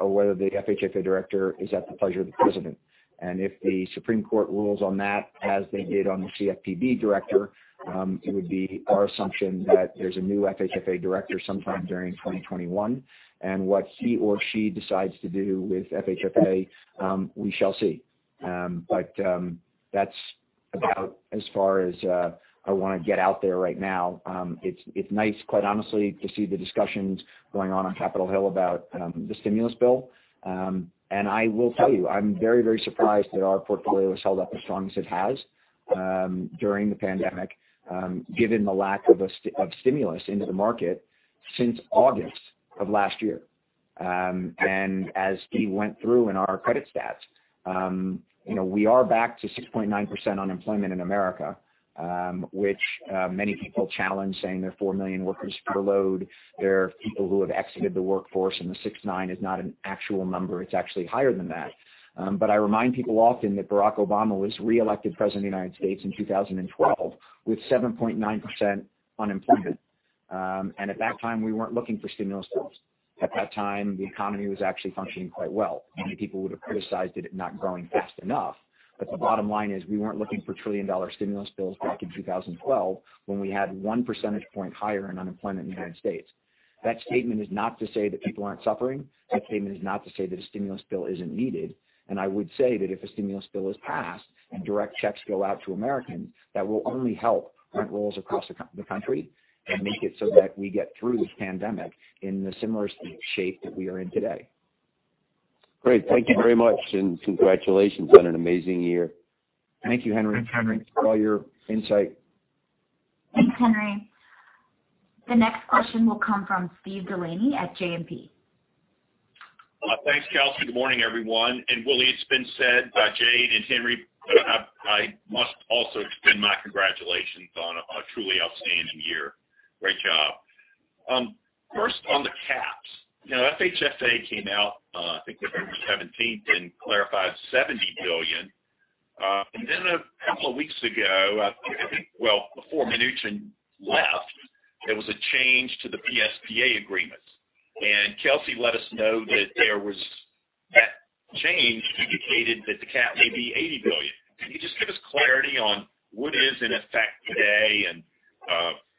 or whether the FHFA director is at the pleasure of the president. And if the Supreme Court rules on that, as they did on the CFPB director, it would be our assumption that there's a new FHFA director sometime during 2021. And what he or she decides to do with FHFA, we shall see. But that's about as far as I want to get out there right now. It's nice, quite honestly, to see the discussions going on on Capitol Hill about the stimulus bill. And I will tell you, I'm very, very surprised that our portfolio has held up as strong as it has during the pandemic, given the lack of stimulus into the market since August of last year. And as Steve went through in our credit stats, we are back to 6.9% unemployment in America, which many people challenge, saying they're 4 million workers short. There are people who have exited the workforce, and the 6.9% is not an actual number. It's actually higher than that. But I remind people often that Barack Obama was re-elected president of the United States in 2012 with 7.9% unemployment. And at that time, we weren't looking for stimulus bills. At that time, the economy was actually functioning quite well. Many people would have criticized it at not growing fast enough. But the bottom line is we weren't looking for trillion-dollar stimulus bills back in 2012 when we had one percentage point higher in unemployment in the United States. That statement is not to say that people aren't suffering. That statement is not to say that a stimulus bill isn't needed. I would say that if a stimulus bill is passed and direct checks go out to Americans, that will only help rent rolls across the country and make it so that we get through this pandemic in the similar shape that we are in today. Great. Thank you very much, and congratulations on an amazing year. Thank you, Henry. Thanks, Henry. For all your insight. Thanks, Henry. The next question will come from Steve Delaney at JMP. Thanks, Kelsey. Good morning, everyone. Willy, it's been said by Jade and Henry. I must also extend my congratulations on a truly outstanding year. Great job. First, on the caps, FHFA came out, I think, on the 17th and clarified $70 billion. Then a couple of weeks ago, I think, well, before Mnuchin left, there was a change to the PSPA agreements. And Kelsey let us know that that change indicated that the cap may be $80 billion. Can you just give us clarity on what is in effect today and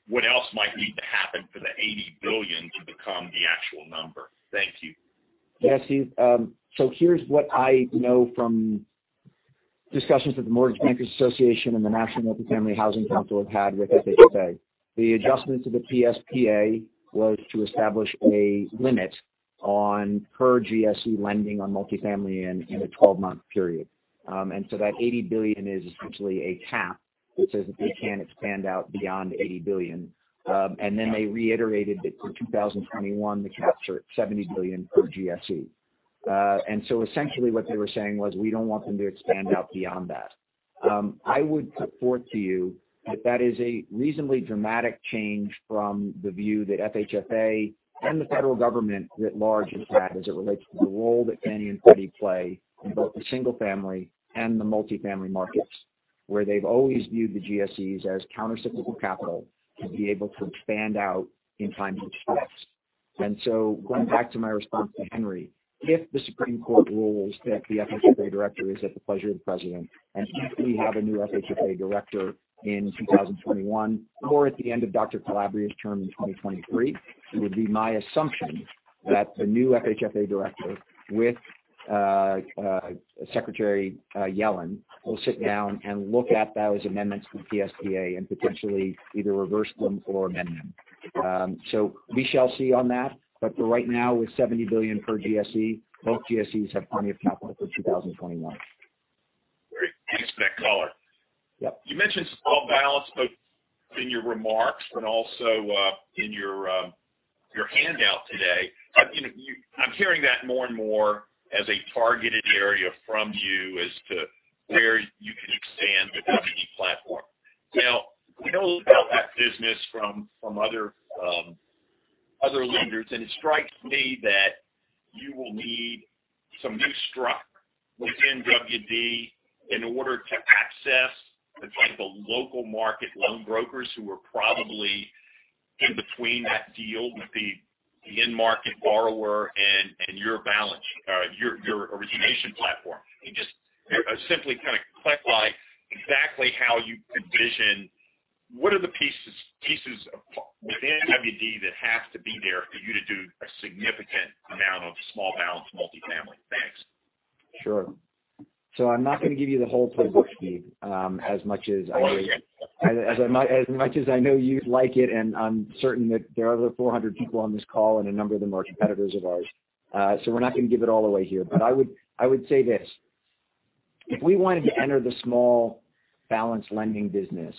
what else might need to happen for the $80 billion to become the actual number? Thank you. Yes, Steve. So here's what I know from discussions with the Mortgage Bankers Association and the National Multifamily Housing Council we've had with FHFA. The adjustment to the PSPA was to establish a limit on per-GSE lending on multifamily in a 12-month period. And so that $80 billion is essentially a cap that says that they can't expand out beyond $80 billion. And then they reiterated that in 2021, the caps were at $70 billion per-GSE. Essentially what they were saying was, "We don't want them to expand out beyond that." I would put forth to you that that is a reasonably dramatic change from the view that FHFA and the federal government writ large has had as it relates to the role that Fannie and Freddie play in both the single-family and the multifamily markets, where they've always viewed the GSEs as countercyclical capital to be able to expand out in times of stress. Going back to my response to Henry, if the Supreme Court rules that the FHFA director is at the pleasure of the president, and if we have a new FHFA director in 2021 or at the end of Dr. Calabria's term in 2023, it would be my assumption that the new FHFA director with Secretary Yellen will sit down and look at those amendments to the PSPA and potentially either reverse them or amend them. So we shall see on that. But for right now, with $70 billion per-GSE, both GSEs have plenty of capital for 2021. Great. Thanks for that color. You mentioned small balance both in your remarks and also in your handout today. I'm hearing that more and more as a targeted area from you as to where you can expand the company platform. Now, we know about that business from other lenders, and it strikes me that you will need some new structure within WD in order to access the type of local market loan brokers who are probably in between that deal with the end market borrower and your origination platform. Just simply kind of clarify exactly how you envision what are the pieces within WD that have to be there for you to do a significant amount of small balance multifamily? Thanks. Sure. So I'm not going to give you the whole playbook, Steve, as much as I know you'd like it, and I'm certain that there are other 400 people on this call, and a number of them are competitors of ours. So we're not going to give it all away here. But I would say this: if we wanted to enter the small balance lending business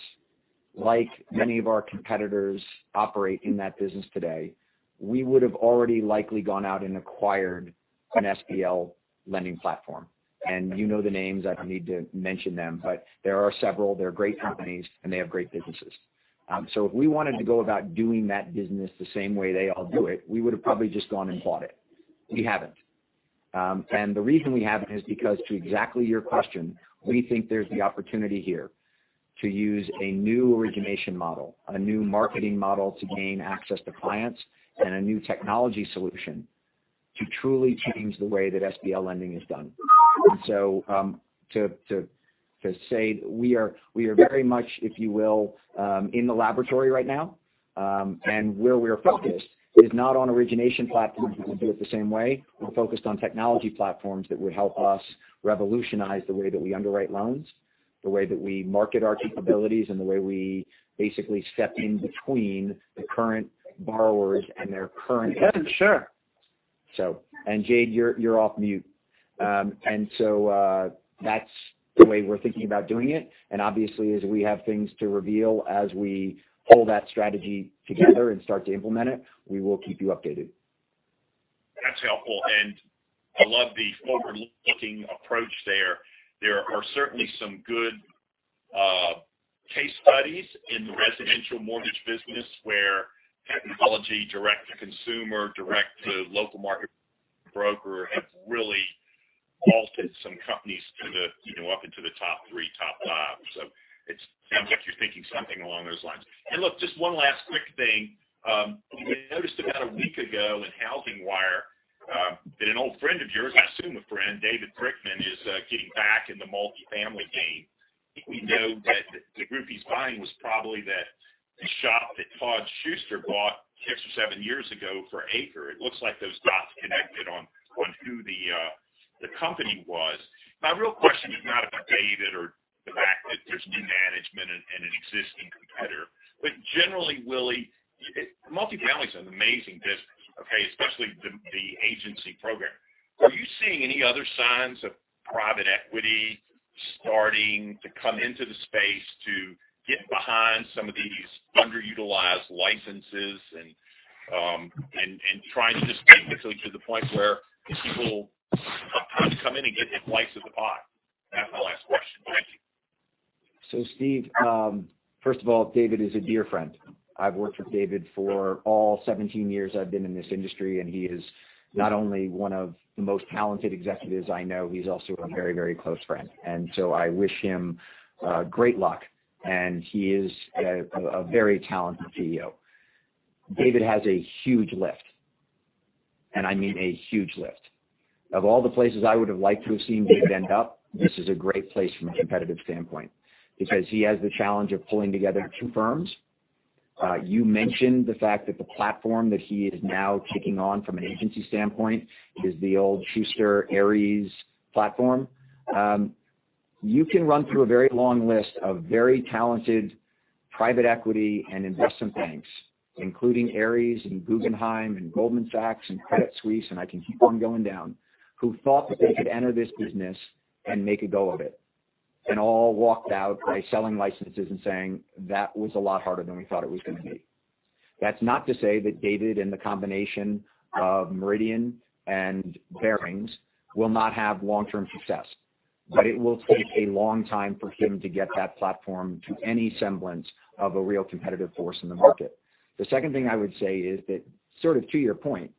like many of our competitors operate in that business today, we would have already likely gone out and acquired an SBL lending platform. And you know the names. I don't need to mention them, but there are several. They're great companies, and they have great businesses. So if we wanted to go about doing that business the same way they all do it, we would have probably just gone and bought it. We haven't. The reason we haven't is because, to exactly your question, we think there's the opportunity here to use a new origination model, a new marketing model to gain access to clients, and a new technology solution to truly change the way that SBL lending is done. And so, to say that we are very much, if you will, in the laboratory right now. And where we are focused is not on origination platforms that we do it the same way. We're focused on technology platforms that would help us revolutionize the way that we underwrite loans, the way that we market our capabilities, and the way we basically step in between the current borrowers and their current. Yeah. Sure. Jade, you're off mute. And so that's the way we're thinking about doing it. And obviously, as we have things to reveal as we pull that strategy together and start to implement it, we will keep you updated. That's helpful, and I love the forward-looking approach there. There are certainly some good case studies in the residential mortgage business where technology direct-to-consumer, direct-to-local market broker have really altered some companies up into the top three, top five, so it sounds like you're thinking something along those lines, and look, just one last quick thing. We noticed about a week ago in HousingWire that an old friend of yours, I assume a friend, David Brickman, is getting back in the multifamily game. I think we know that the group he's buying was probably that shop that Todd Schuster bought six or seven years ago for Ares. It looks like those dots connected on who the company was. because he has the challenge of pulling together two firms. You mentioned the fact that the platform that he is now taking on from an agency standpoint is the old Schuster Ares platform. You can run through a very long list of very talented private equity and investment banks, including Ares and Guggenheim and Goldman Sachs and Credit Suisse, and I can keep on going down, who thought that they could enter this business and make a go of it, and all walked out by selling licenses and saying, "That was a lot harder than we thought it was going to be." That's not to say that David and the combination of Meridian and Barings will not have long-term success, but it will take a long time for him to get that platform to any semblance of a real competitive force in the market. The second thing I would say is that sort of to your point,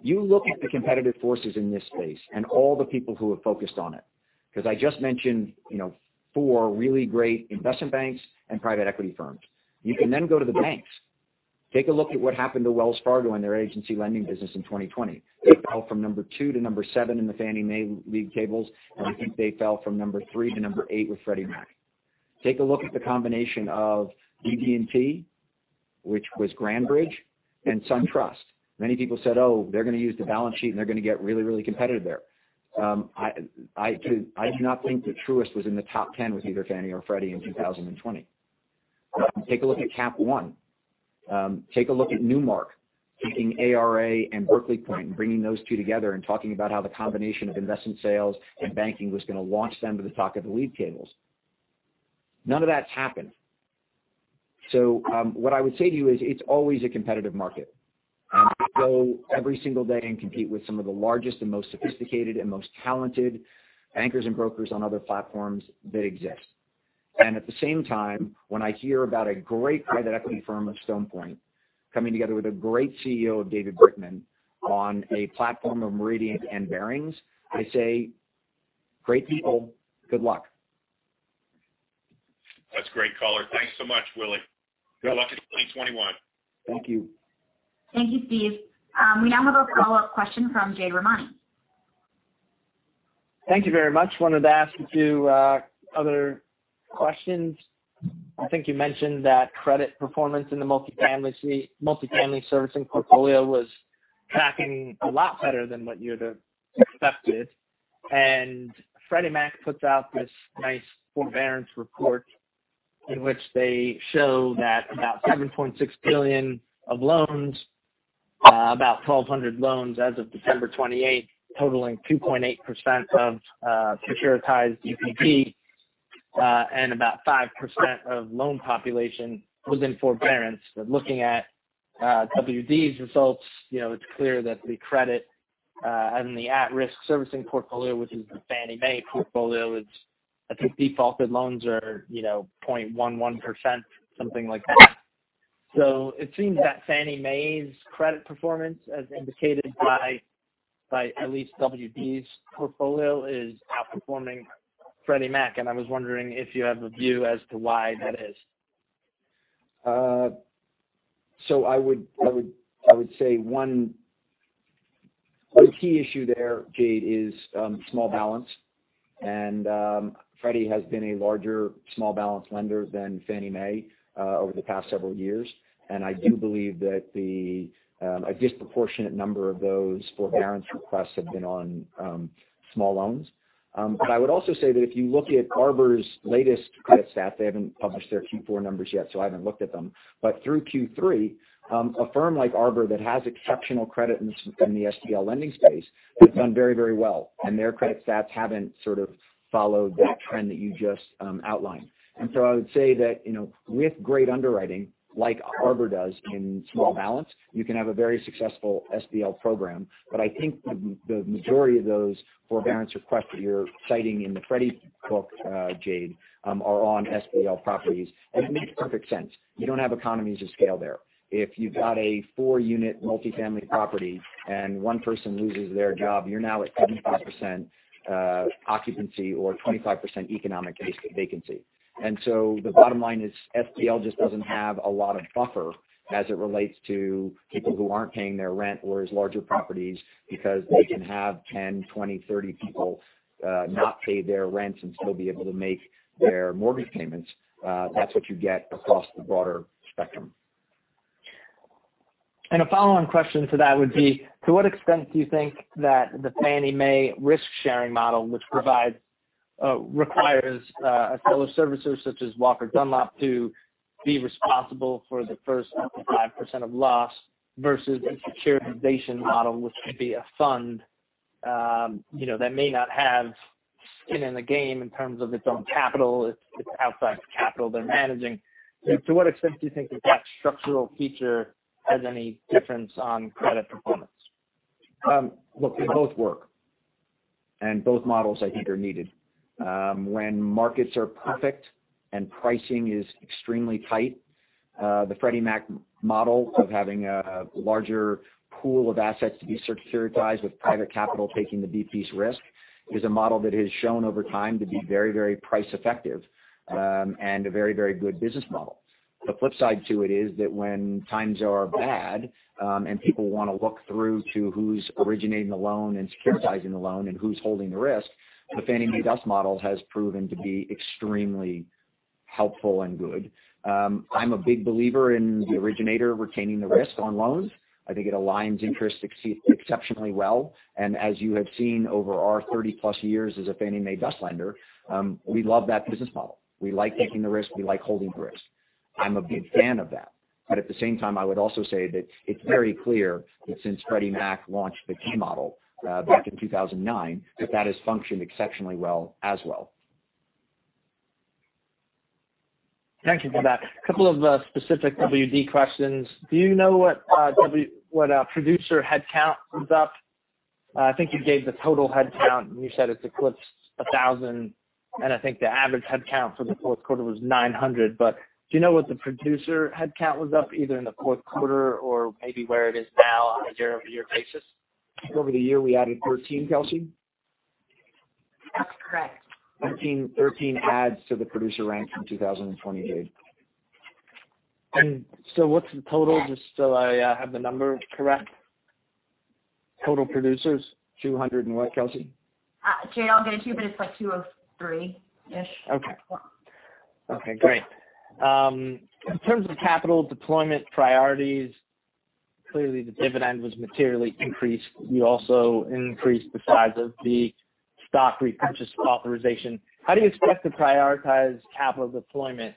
you look at the competitive forces in this space and all the people who have focused on it because I just mentioned four really great investment banks and private equity firms. You can then go to the banks, take a look at what happened to Wells Fargo and their agency lending business in 2020. They fell from number two to number seven in the Fannie Mae League tables, and I think they fell from number three to number eight with Freddie Mac. Take a look at the combination of BB&T, which was Grandbridge, and SunTrust. Many people said, "Oh, they're going to use the balance sheet, and they're going to get really, really competitive there." I do not think Truist was in the top 10 with either Fannie or Freddie in 2020. Take a look at Capital One. Take a look at Newmark, taking ARA and Berkeley Point and bringing those two together and talking about how the combination of investment sales and banking was going to launch them to the top of the league tables. None of that's happened. So what I would say to you is it's always a competitive market. And I go every single day and compete with some of the largest and most sophisticated and most talented bankers and brokers on other platforms that exist. And at the same time, when I hear about a great private equity firm of Stone Point coming together with a great CEO of David Brickman on a platform of Meridian and Barings, I say, "Great people. Good luck. That's a great caller. Thanks so much, Willy. Good luck in 2021. Thank you. Thank you, Steve. We now have a follow-up question from Jade Rahmani. Thank you very much. Wanted to ask you two other questions. I think you mentioned that credit performance in the multifamily servicing portfolio was tracking a lot better than what you had expected. And Freddie Mac puts out this nice forbearance report in which they show that about $7.6 billion of loans, about 1,200 loans as of December 28, totaling 2.8% of securitized UPB, and about 5% of loan population was in forbearance. But looking at WD's results, it's clear that the credit in the at-risk servicing portfolio, which is the Fannie Mae portfolio, is that the defaulted loans are 0.11%, something like that. So it seems that Fannie Mae's credit performance, as indicated by at least WD's portfolio, is outperforming Freddie Mac. And I was wondering if you have a view as to why that is. I would say one key issue there, Jade, is small balance. And Freddie has been a larger small balance lender than Fannie Mae over the past several years. And I do believe that a disproportionate number of those forbearance requests have been on small loans. But I would also say that if you look at Arbor's latest credit stats, they haven't published their Q4 numbers yet, so I haven't looked at them. But through Q3, a firm like Arbor that has exceptional credit in the SBL lending space has done very, very well. And their credit stats haven't sort of followed that trend that you just outlined. And so I would say that with great underwriting, like Arbor does in small balance, you can have a very successful SBL program. But I think the majority of those forbearance requests that you're citing in the Freddie book, Jade, are on SBL properties. And it makes perfect sense. You don't have economies of scale there. If you've got a four-unit multifamily property and one person loses their job, you're now at 75% occupancy or 25% economic vacancy. And so the bottom line is SBL just doesn't have a lot of buffer as it relates to people who aren't paying their rent or as larger properties because they can have 10, 20, 30 people not pay their rents and still be able to make their mortgage payments. That's what you get across the broader spectrum. A follow-on question to that would be, to what extent do you think that the Fannie Mae risk-sharing model, which requires a Fannie servicer such as Walker & Dunlop to be responsible for the first 5% of loss versus the securitization model, which could be a fund that may not have skin in the game in terms of its own capital. It's outside the capital they're managing. To what extent do you think that that structural feature has any difference on credit performance? Look, they both work. And both models, I think, are needed. When markets are perfect and pricing is extremely tight, the Freddie Mac model of having a larger pool of assets to be securitized with private capital taking the deepest risk is a model that has shown over time to be very, very price-effective and a very, very good business model. The flip side to it is that when times are bad and people want to look through to who's originating the loan and securitizing the loan and who's holding the risk, the Fannie Mae DUS model has proven to be extremely helpful and good. I'm a big believer in the originator retaining the risk on loans. I think it aligns interests exceptionally well. And as you have seen over our 30-plus years as a Fannie Mae DUS lender, we love that business model. We like taking the risk. We like holding the risk. I'm a big fan of that. But at the same time, I would also say that it's very clear that since Freddie Mac launched the K-model back in 2009, that that has functioned exceptionally well as well. Thank you for that. A couple of specific WD questions. Do you know what producer headcount was up? I think you gave the total headcount, and you said it's eclipsed 1,000. And I think the average headcount for the fourth quarter was 900. But do you know what the producer headcount was up either in the fourth quarter or maybe where it is now on a year-over-year basis? Over the year, we added 13, Kelsey? That's correct. 13 adds to the producer ranks in 2020. And so what's the total just so I have the number correct? Total producers, 200 and what, Kelsey? Jade, I'll get it to you, but it's like 203-ish. Great. In terms of capital deployment priorities, clearly the dividend was materially increased. You also increased the size of the stock repurchase authorization. How do you expect to prioritize capital deployment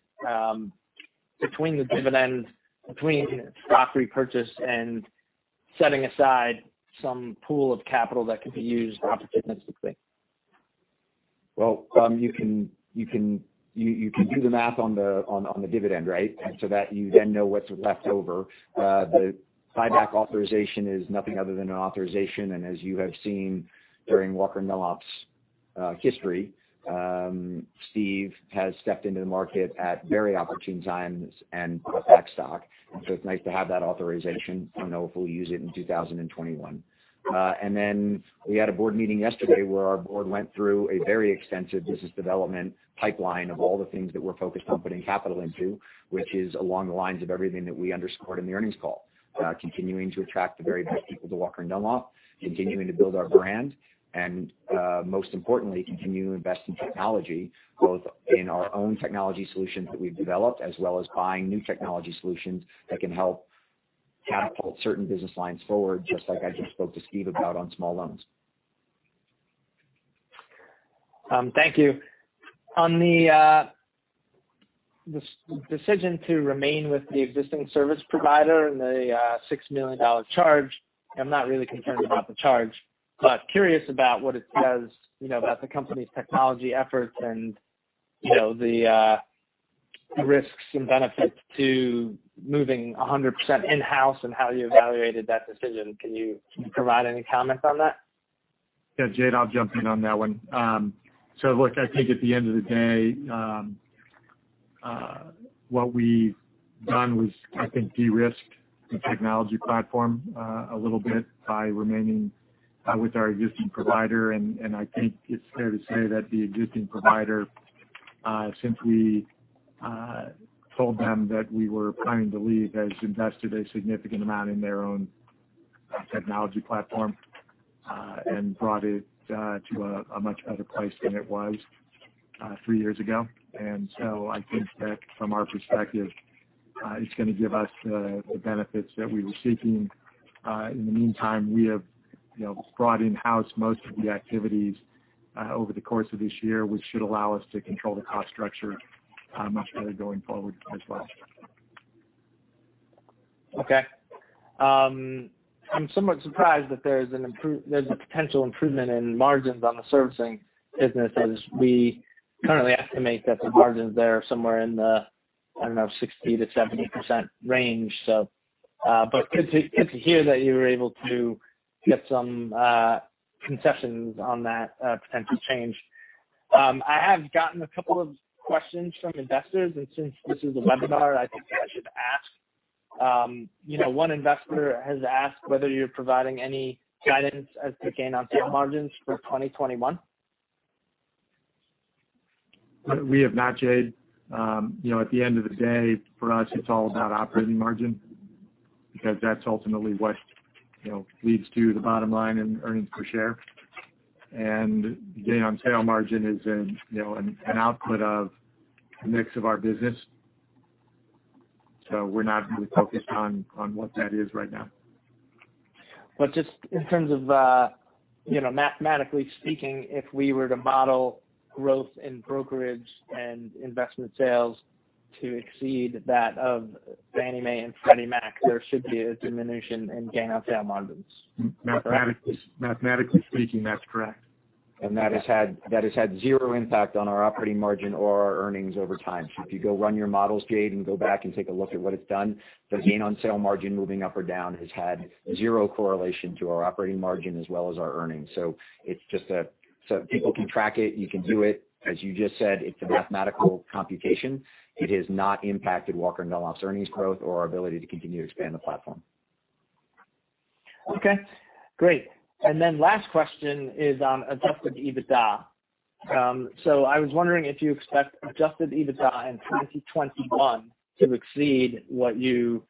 between the dividend, between stock repurchase and setting aside some pool of capital that could be used opportunistically? You can do the math on the dividend, right? And so that you then know what's left over. The buyback authorization is nothing other than an authorization. And as you have seen during Walker & Dunlop's history, Steve has stepped into the market at very opportune times and put back stock. And so it's nice to have that authorization and know if we'll use it in 2021. And then we had a board meeting yesterday where our board went through a very extensive business development pipeline of all the things that we're focused on putting capital into, which is along the lines of everything that we underscored in the earnings call. Continuing to attract the very best people to Walker & Dunlop, continuing to build our brand, and most importantly, continuing to invest in technology, both in our own technology solutions that we've developed as well as buying new technology solutions that can help catapult certain business lines forward, just like I just spoke to Steve about on small loans. Thank you. On the decision to remain with the existing service provider and the $6 million charge, I'm not really concerned about the charge, but curious about what it says about the company's technology efforts and the risks and benefits to moving 100% in-house and how you evaluated that decision. Can you provide any comment on that? Yeah. Jade, I'll jump in on that one. So look, I think at the end of the day, what we've done was, I think, de-risk the technology platform a little bit by remaining with our existing provider. And I think it's fair to say that the existing provider, since we told them that we were planning to leave, has invested a significant amount in their own technology platform and brought it to a much better place than it was three years ago. And so I think that from our perspective, it's going to give us the benefits that we were seeking. In the meantime, we have brought in-house most of the activities over the course of this year, which should allow us to control the cost structure much better going forward as well. Okay. I'm somewhat surprised that there's a potential improvement in margins on the servicing business as we currently estimate that the margins there are somewhere in the, I don't know, 60%-70% range. But good to hear that you were able to get some concessions on that potential change. I have gotten a couple of questions from investors. And since this is a webinar, I think that I should ask. One investor has asked whether you're providing any guidance as to gain on sale margins for 2021. We have not, Jade. At the end of the day, for us, it's all about operating margin because that's ultimately what leads to the bottom line and earnings per share, and gain on sale margin is an output of the mix of our business, so we're not really focused on what that is right now. But just in terms of mathematically speaking, if we were to model growth in brokerage and investment sales to exceed that of Fannie Mae and Freddie Mac, there should be a diminution in gain on sale margins. Mathematically speaking, that's correct, and that has had zero impact on our operating margin or our earnings over time, so if you go run your models, Jade, and go back and take a look at what it's done, the gain on sale margin moving up or down has had zero correlation to our operating margin as well as our earnings, so it's just so people can track it. You can do it. As you just said, it's a mathematical computation. It has not impacted Walker & Dunlop's earnings growth or our ability to continue to expand the platform. Okay. Great. And then last question is on adjusted EBITDA. So I was wondering if you expect adjusted EBITDA in 2021 to exceed what WD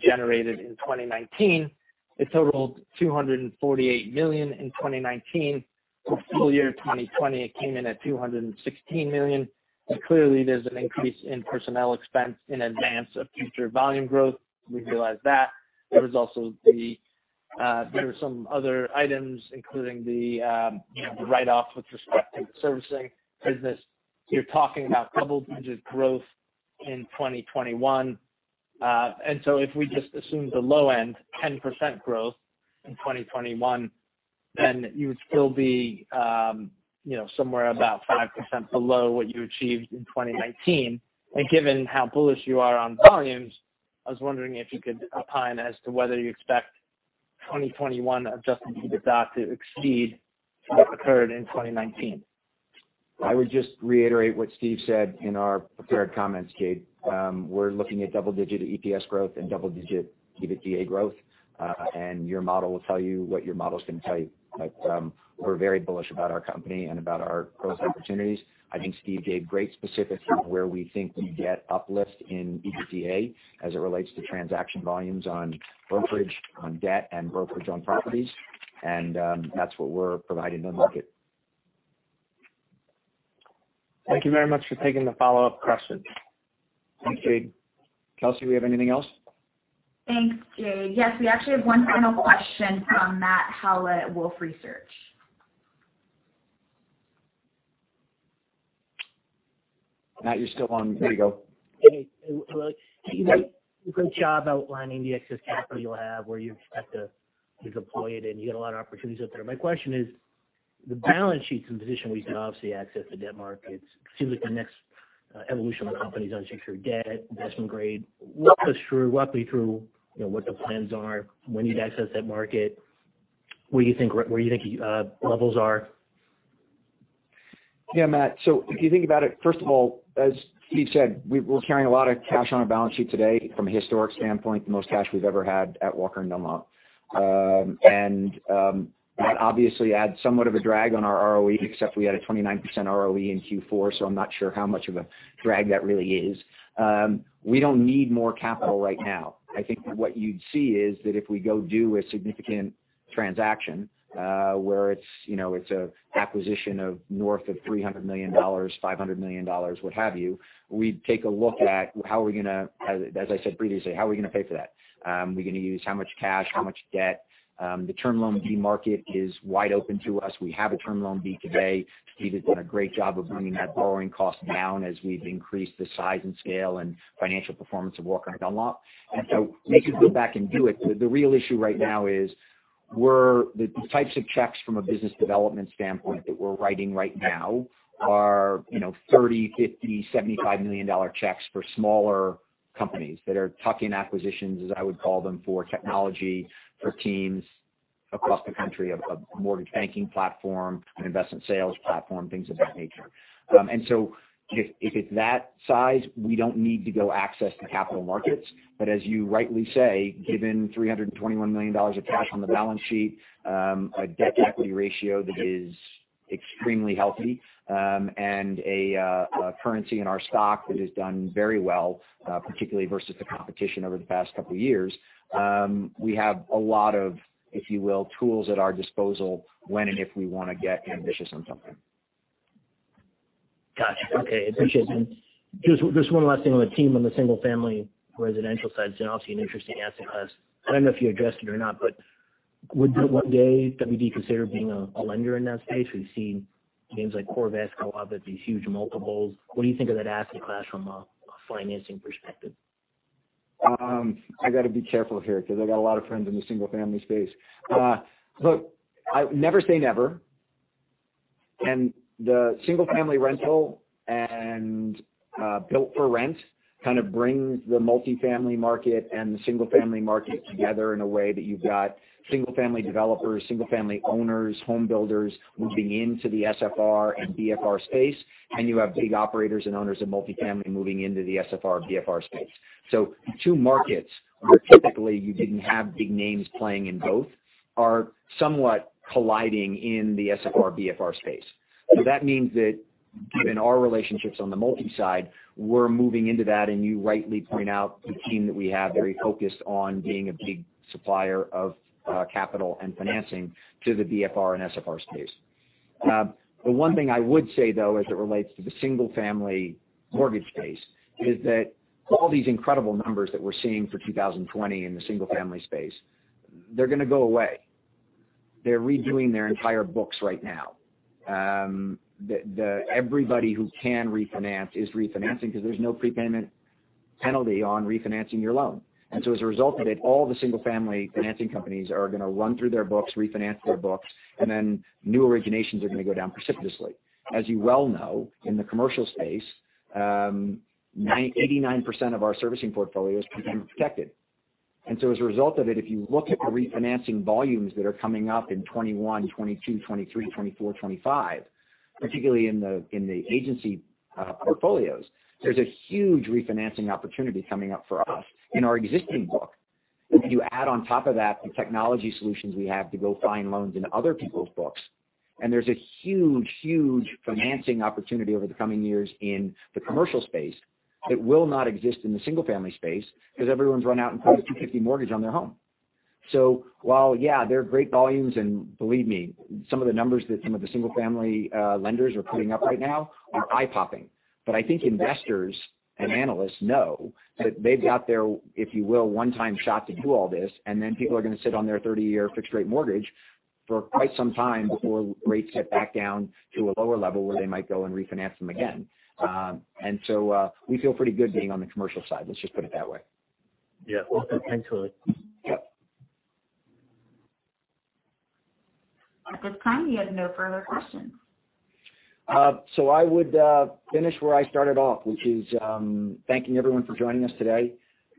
generated in 2019. It totaled $248 million in 2019. For full year 2020, it came in at $216 million. And clearly, there's an increase in personnel expense in advance of future volume growth. We realize that. There were some other items, including the write-off with respect to the servicing business. You're talking about double-digit growth in 2021. And so if we just assume the low end, 10% growth in 2021, then you would still be somewhere about 5% below what you achieved in 2019. And given how bullish you are on volumes, I was wondering if you could opine as to whether you expect 2021 adjusted EBITDA to exceed what occurred in 2019. I would just reiterate what Steve said in our prepared comments, Jade. We're looking at double-digit EPS growth and double-digit EBITDA growth. And your model will tell you what your model is going to tell you. But we're very bullish about our company and about our growth opportunities. I think Steve gave great specifics of where we think we get uplift in EBITDA as it relates to transaction volumes on brokerage, on debt, and brokerage on properties. And that's what we're providing the market. Thank you very much for taking the follow-up question. Thanks, Jade. Kelsey, do we have anything else? Thanks, Jade. Yes, we actually have one final question from Matt Howlett at Wolfe Research. Matt, you're still on. Here you go. Hey, Kelsey. Great job outlining the excess capital you'll have, where you expect to deploy it, and you get a lot of opportunities up there. My question is, the balance sheets and position we've obviously accessed the debt markets. It seems like the next evolution of the company is on secure debt, investment grade. Walk us through, walk me through what the plans are, when you'd access that market, where you think levels are. Yeah, Matt. So if you think about it, first of all, as Steve said, we're carrying a lot of cash on our balance sheet today from a historic standpoint, the most cash we've ever had at Walker & Dunlop. And that obviously adds somewhat of a drag on our ROE, except we had a 29% ROE in Q4. So I'm not sure how much of a drag that really is. We don't need more capital right now. I think what you'd see is that if we go do a significant transaction where it's an acquisition north of $300 million, $500 million, what have you, we'd take a look at how are we going to, as I said previously, how are we going to pay for that? Are we going to use how much cash, how much debt? The Term Loan B market is wide open to us. We have a Term Loan B today. Steve has done a great job of bringing that borrowing cost down as we've increased the size and scale and financial performance of Walker & Dunlop. And so we can go back and do it. The real issue right now is the types of checks from a business development standpoint that we're writing right now are $30 million, $50 million, $75 million checks for smaller companies that are tuck-in acquisitions, as I would call them, for technology, for teams across the country, a mortgage banking platform, an investment sales platform, things of that nature. And so if it's that size, we don't need to go access the capital markets. But as you rightly say, given $321 million of cash on the balance sheet, a debt-to-equity ratio that is extremely healthy, and a currency in our stock that has done very well, particularly versus the competition over the past couple of years, we have a lot of, if you will, tools at our disposal when and if we want to get ambitious on something. Gotcha. Okay. Appreciate that. Just one last thing on the team on the single-family residential side, so obviously an interesting asset class. I don't know if you addressed it or not, but would one day WD consider being a lender in that space? We've seen names like CoreVest, Arbor, these huge multiples. What do you think of that asset class from a financing perspective? I got to be careful here because I got a lot of friends in the single-family space. Look, I never say never. And the single-family rental and build-to-rent kind of brings the multifamily market and the single-family market together in a way that you've got single-family developers, single-family owners, homebuilders moving into the SFR and BFR space, and you have big operators and owners of multifamily moving into the SFR, BFR space. So the two markets where typically you didn't have big names playing in both are somewhat colliding in the SFR, BFR space. So that means that given our relationships on the multi-side, we're moving into that. And you rightly point out the team that we have very focused on being a big supplier of capital and financing to the BFR and SFR space. The one thing I would say, though, as it relates to the single-family mortgage space, is that all these incredible numbers that we're seeing for 2020 in the single-family space, they're going to go away. They're redoing their entire books right now. Everybody who can refinance is refinancing because there's no prepayment penalty on refinancing your loan. And so as a result of it, all the single-family financing companies are going to run through their books, refinance their books, and then new originations are going to go down precipitously. As you well know, in the commercial space, 89% of our servicing portfolios become protected. And so as a result of it, if you look at the refinancing volumes that are coming up in 2021, 2022, 2023, 2024, 2025, particularly in the agency portfolios, there's a huge refinancing opportunity coming up for us in our existing book. If you add on top of that the technology solutions we have to go find loans in other people's books, and there's a huge, huge financing opportunity over the coming years in the commercial space that will not exist in the single-family space because everyone's run out and paid a 2.50% mortgage on their home. So while, yeah, there are great volumes, and believe me, some of the numbers that some of the single-family lenders are putting up right now are eye-popping. But I think investors and analysts know that they've got their, if you will, one-time shot to do all this, and then people are going to sit on their 30-year fixed-rate mortgage for quite some time before rates get back down to a lower level where they might go and refinance them again. And so we feel pretty good being on the commercial side. Let's just put it that way. Yeah. Thanks, Willy. At this time, we have no further questions. So I would finish where I started off, which is thanking everyone for joining us today,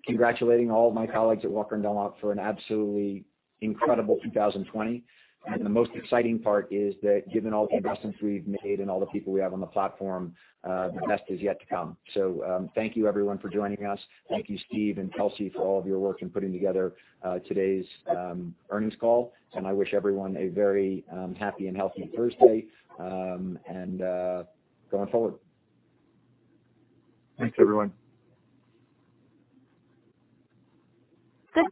congratulating all of my colleagues at Walker & Dunlop for an absolutely incredible 2020. And the most exciting part is that given all the investments we've made and all the people we have on the platform, the best is yet to come. So thank you, everyone, for joining us. Thank you, Steve and Kelsey, for all of your work in putting together today's earnings call. And I wish everyone a very happy and healthy Thursday and going forward. Thanks, everyone. Good.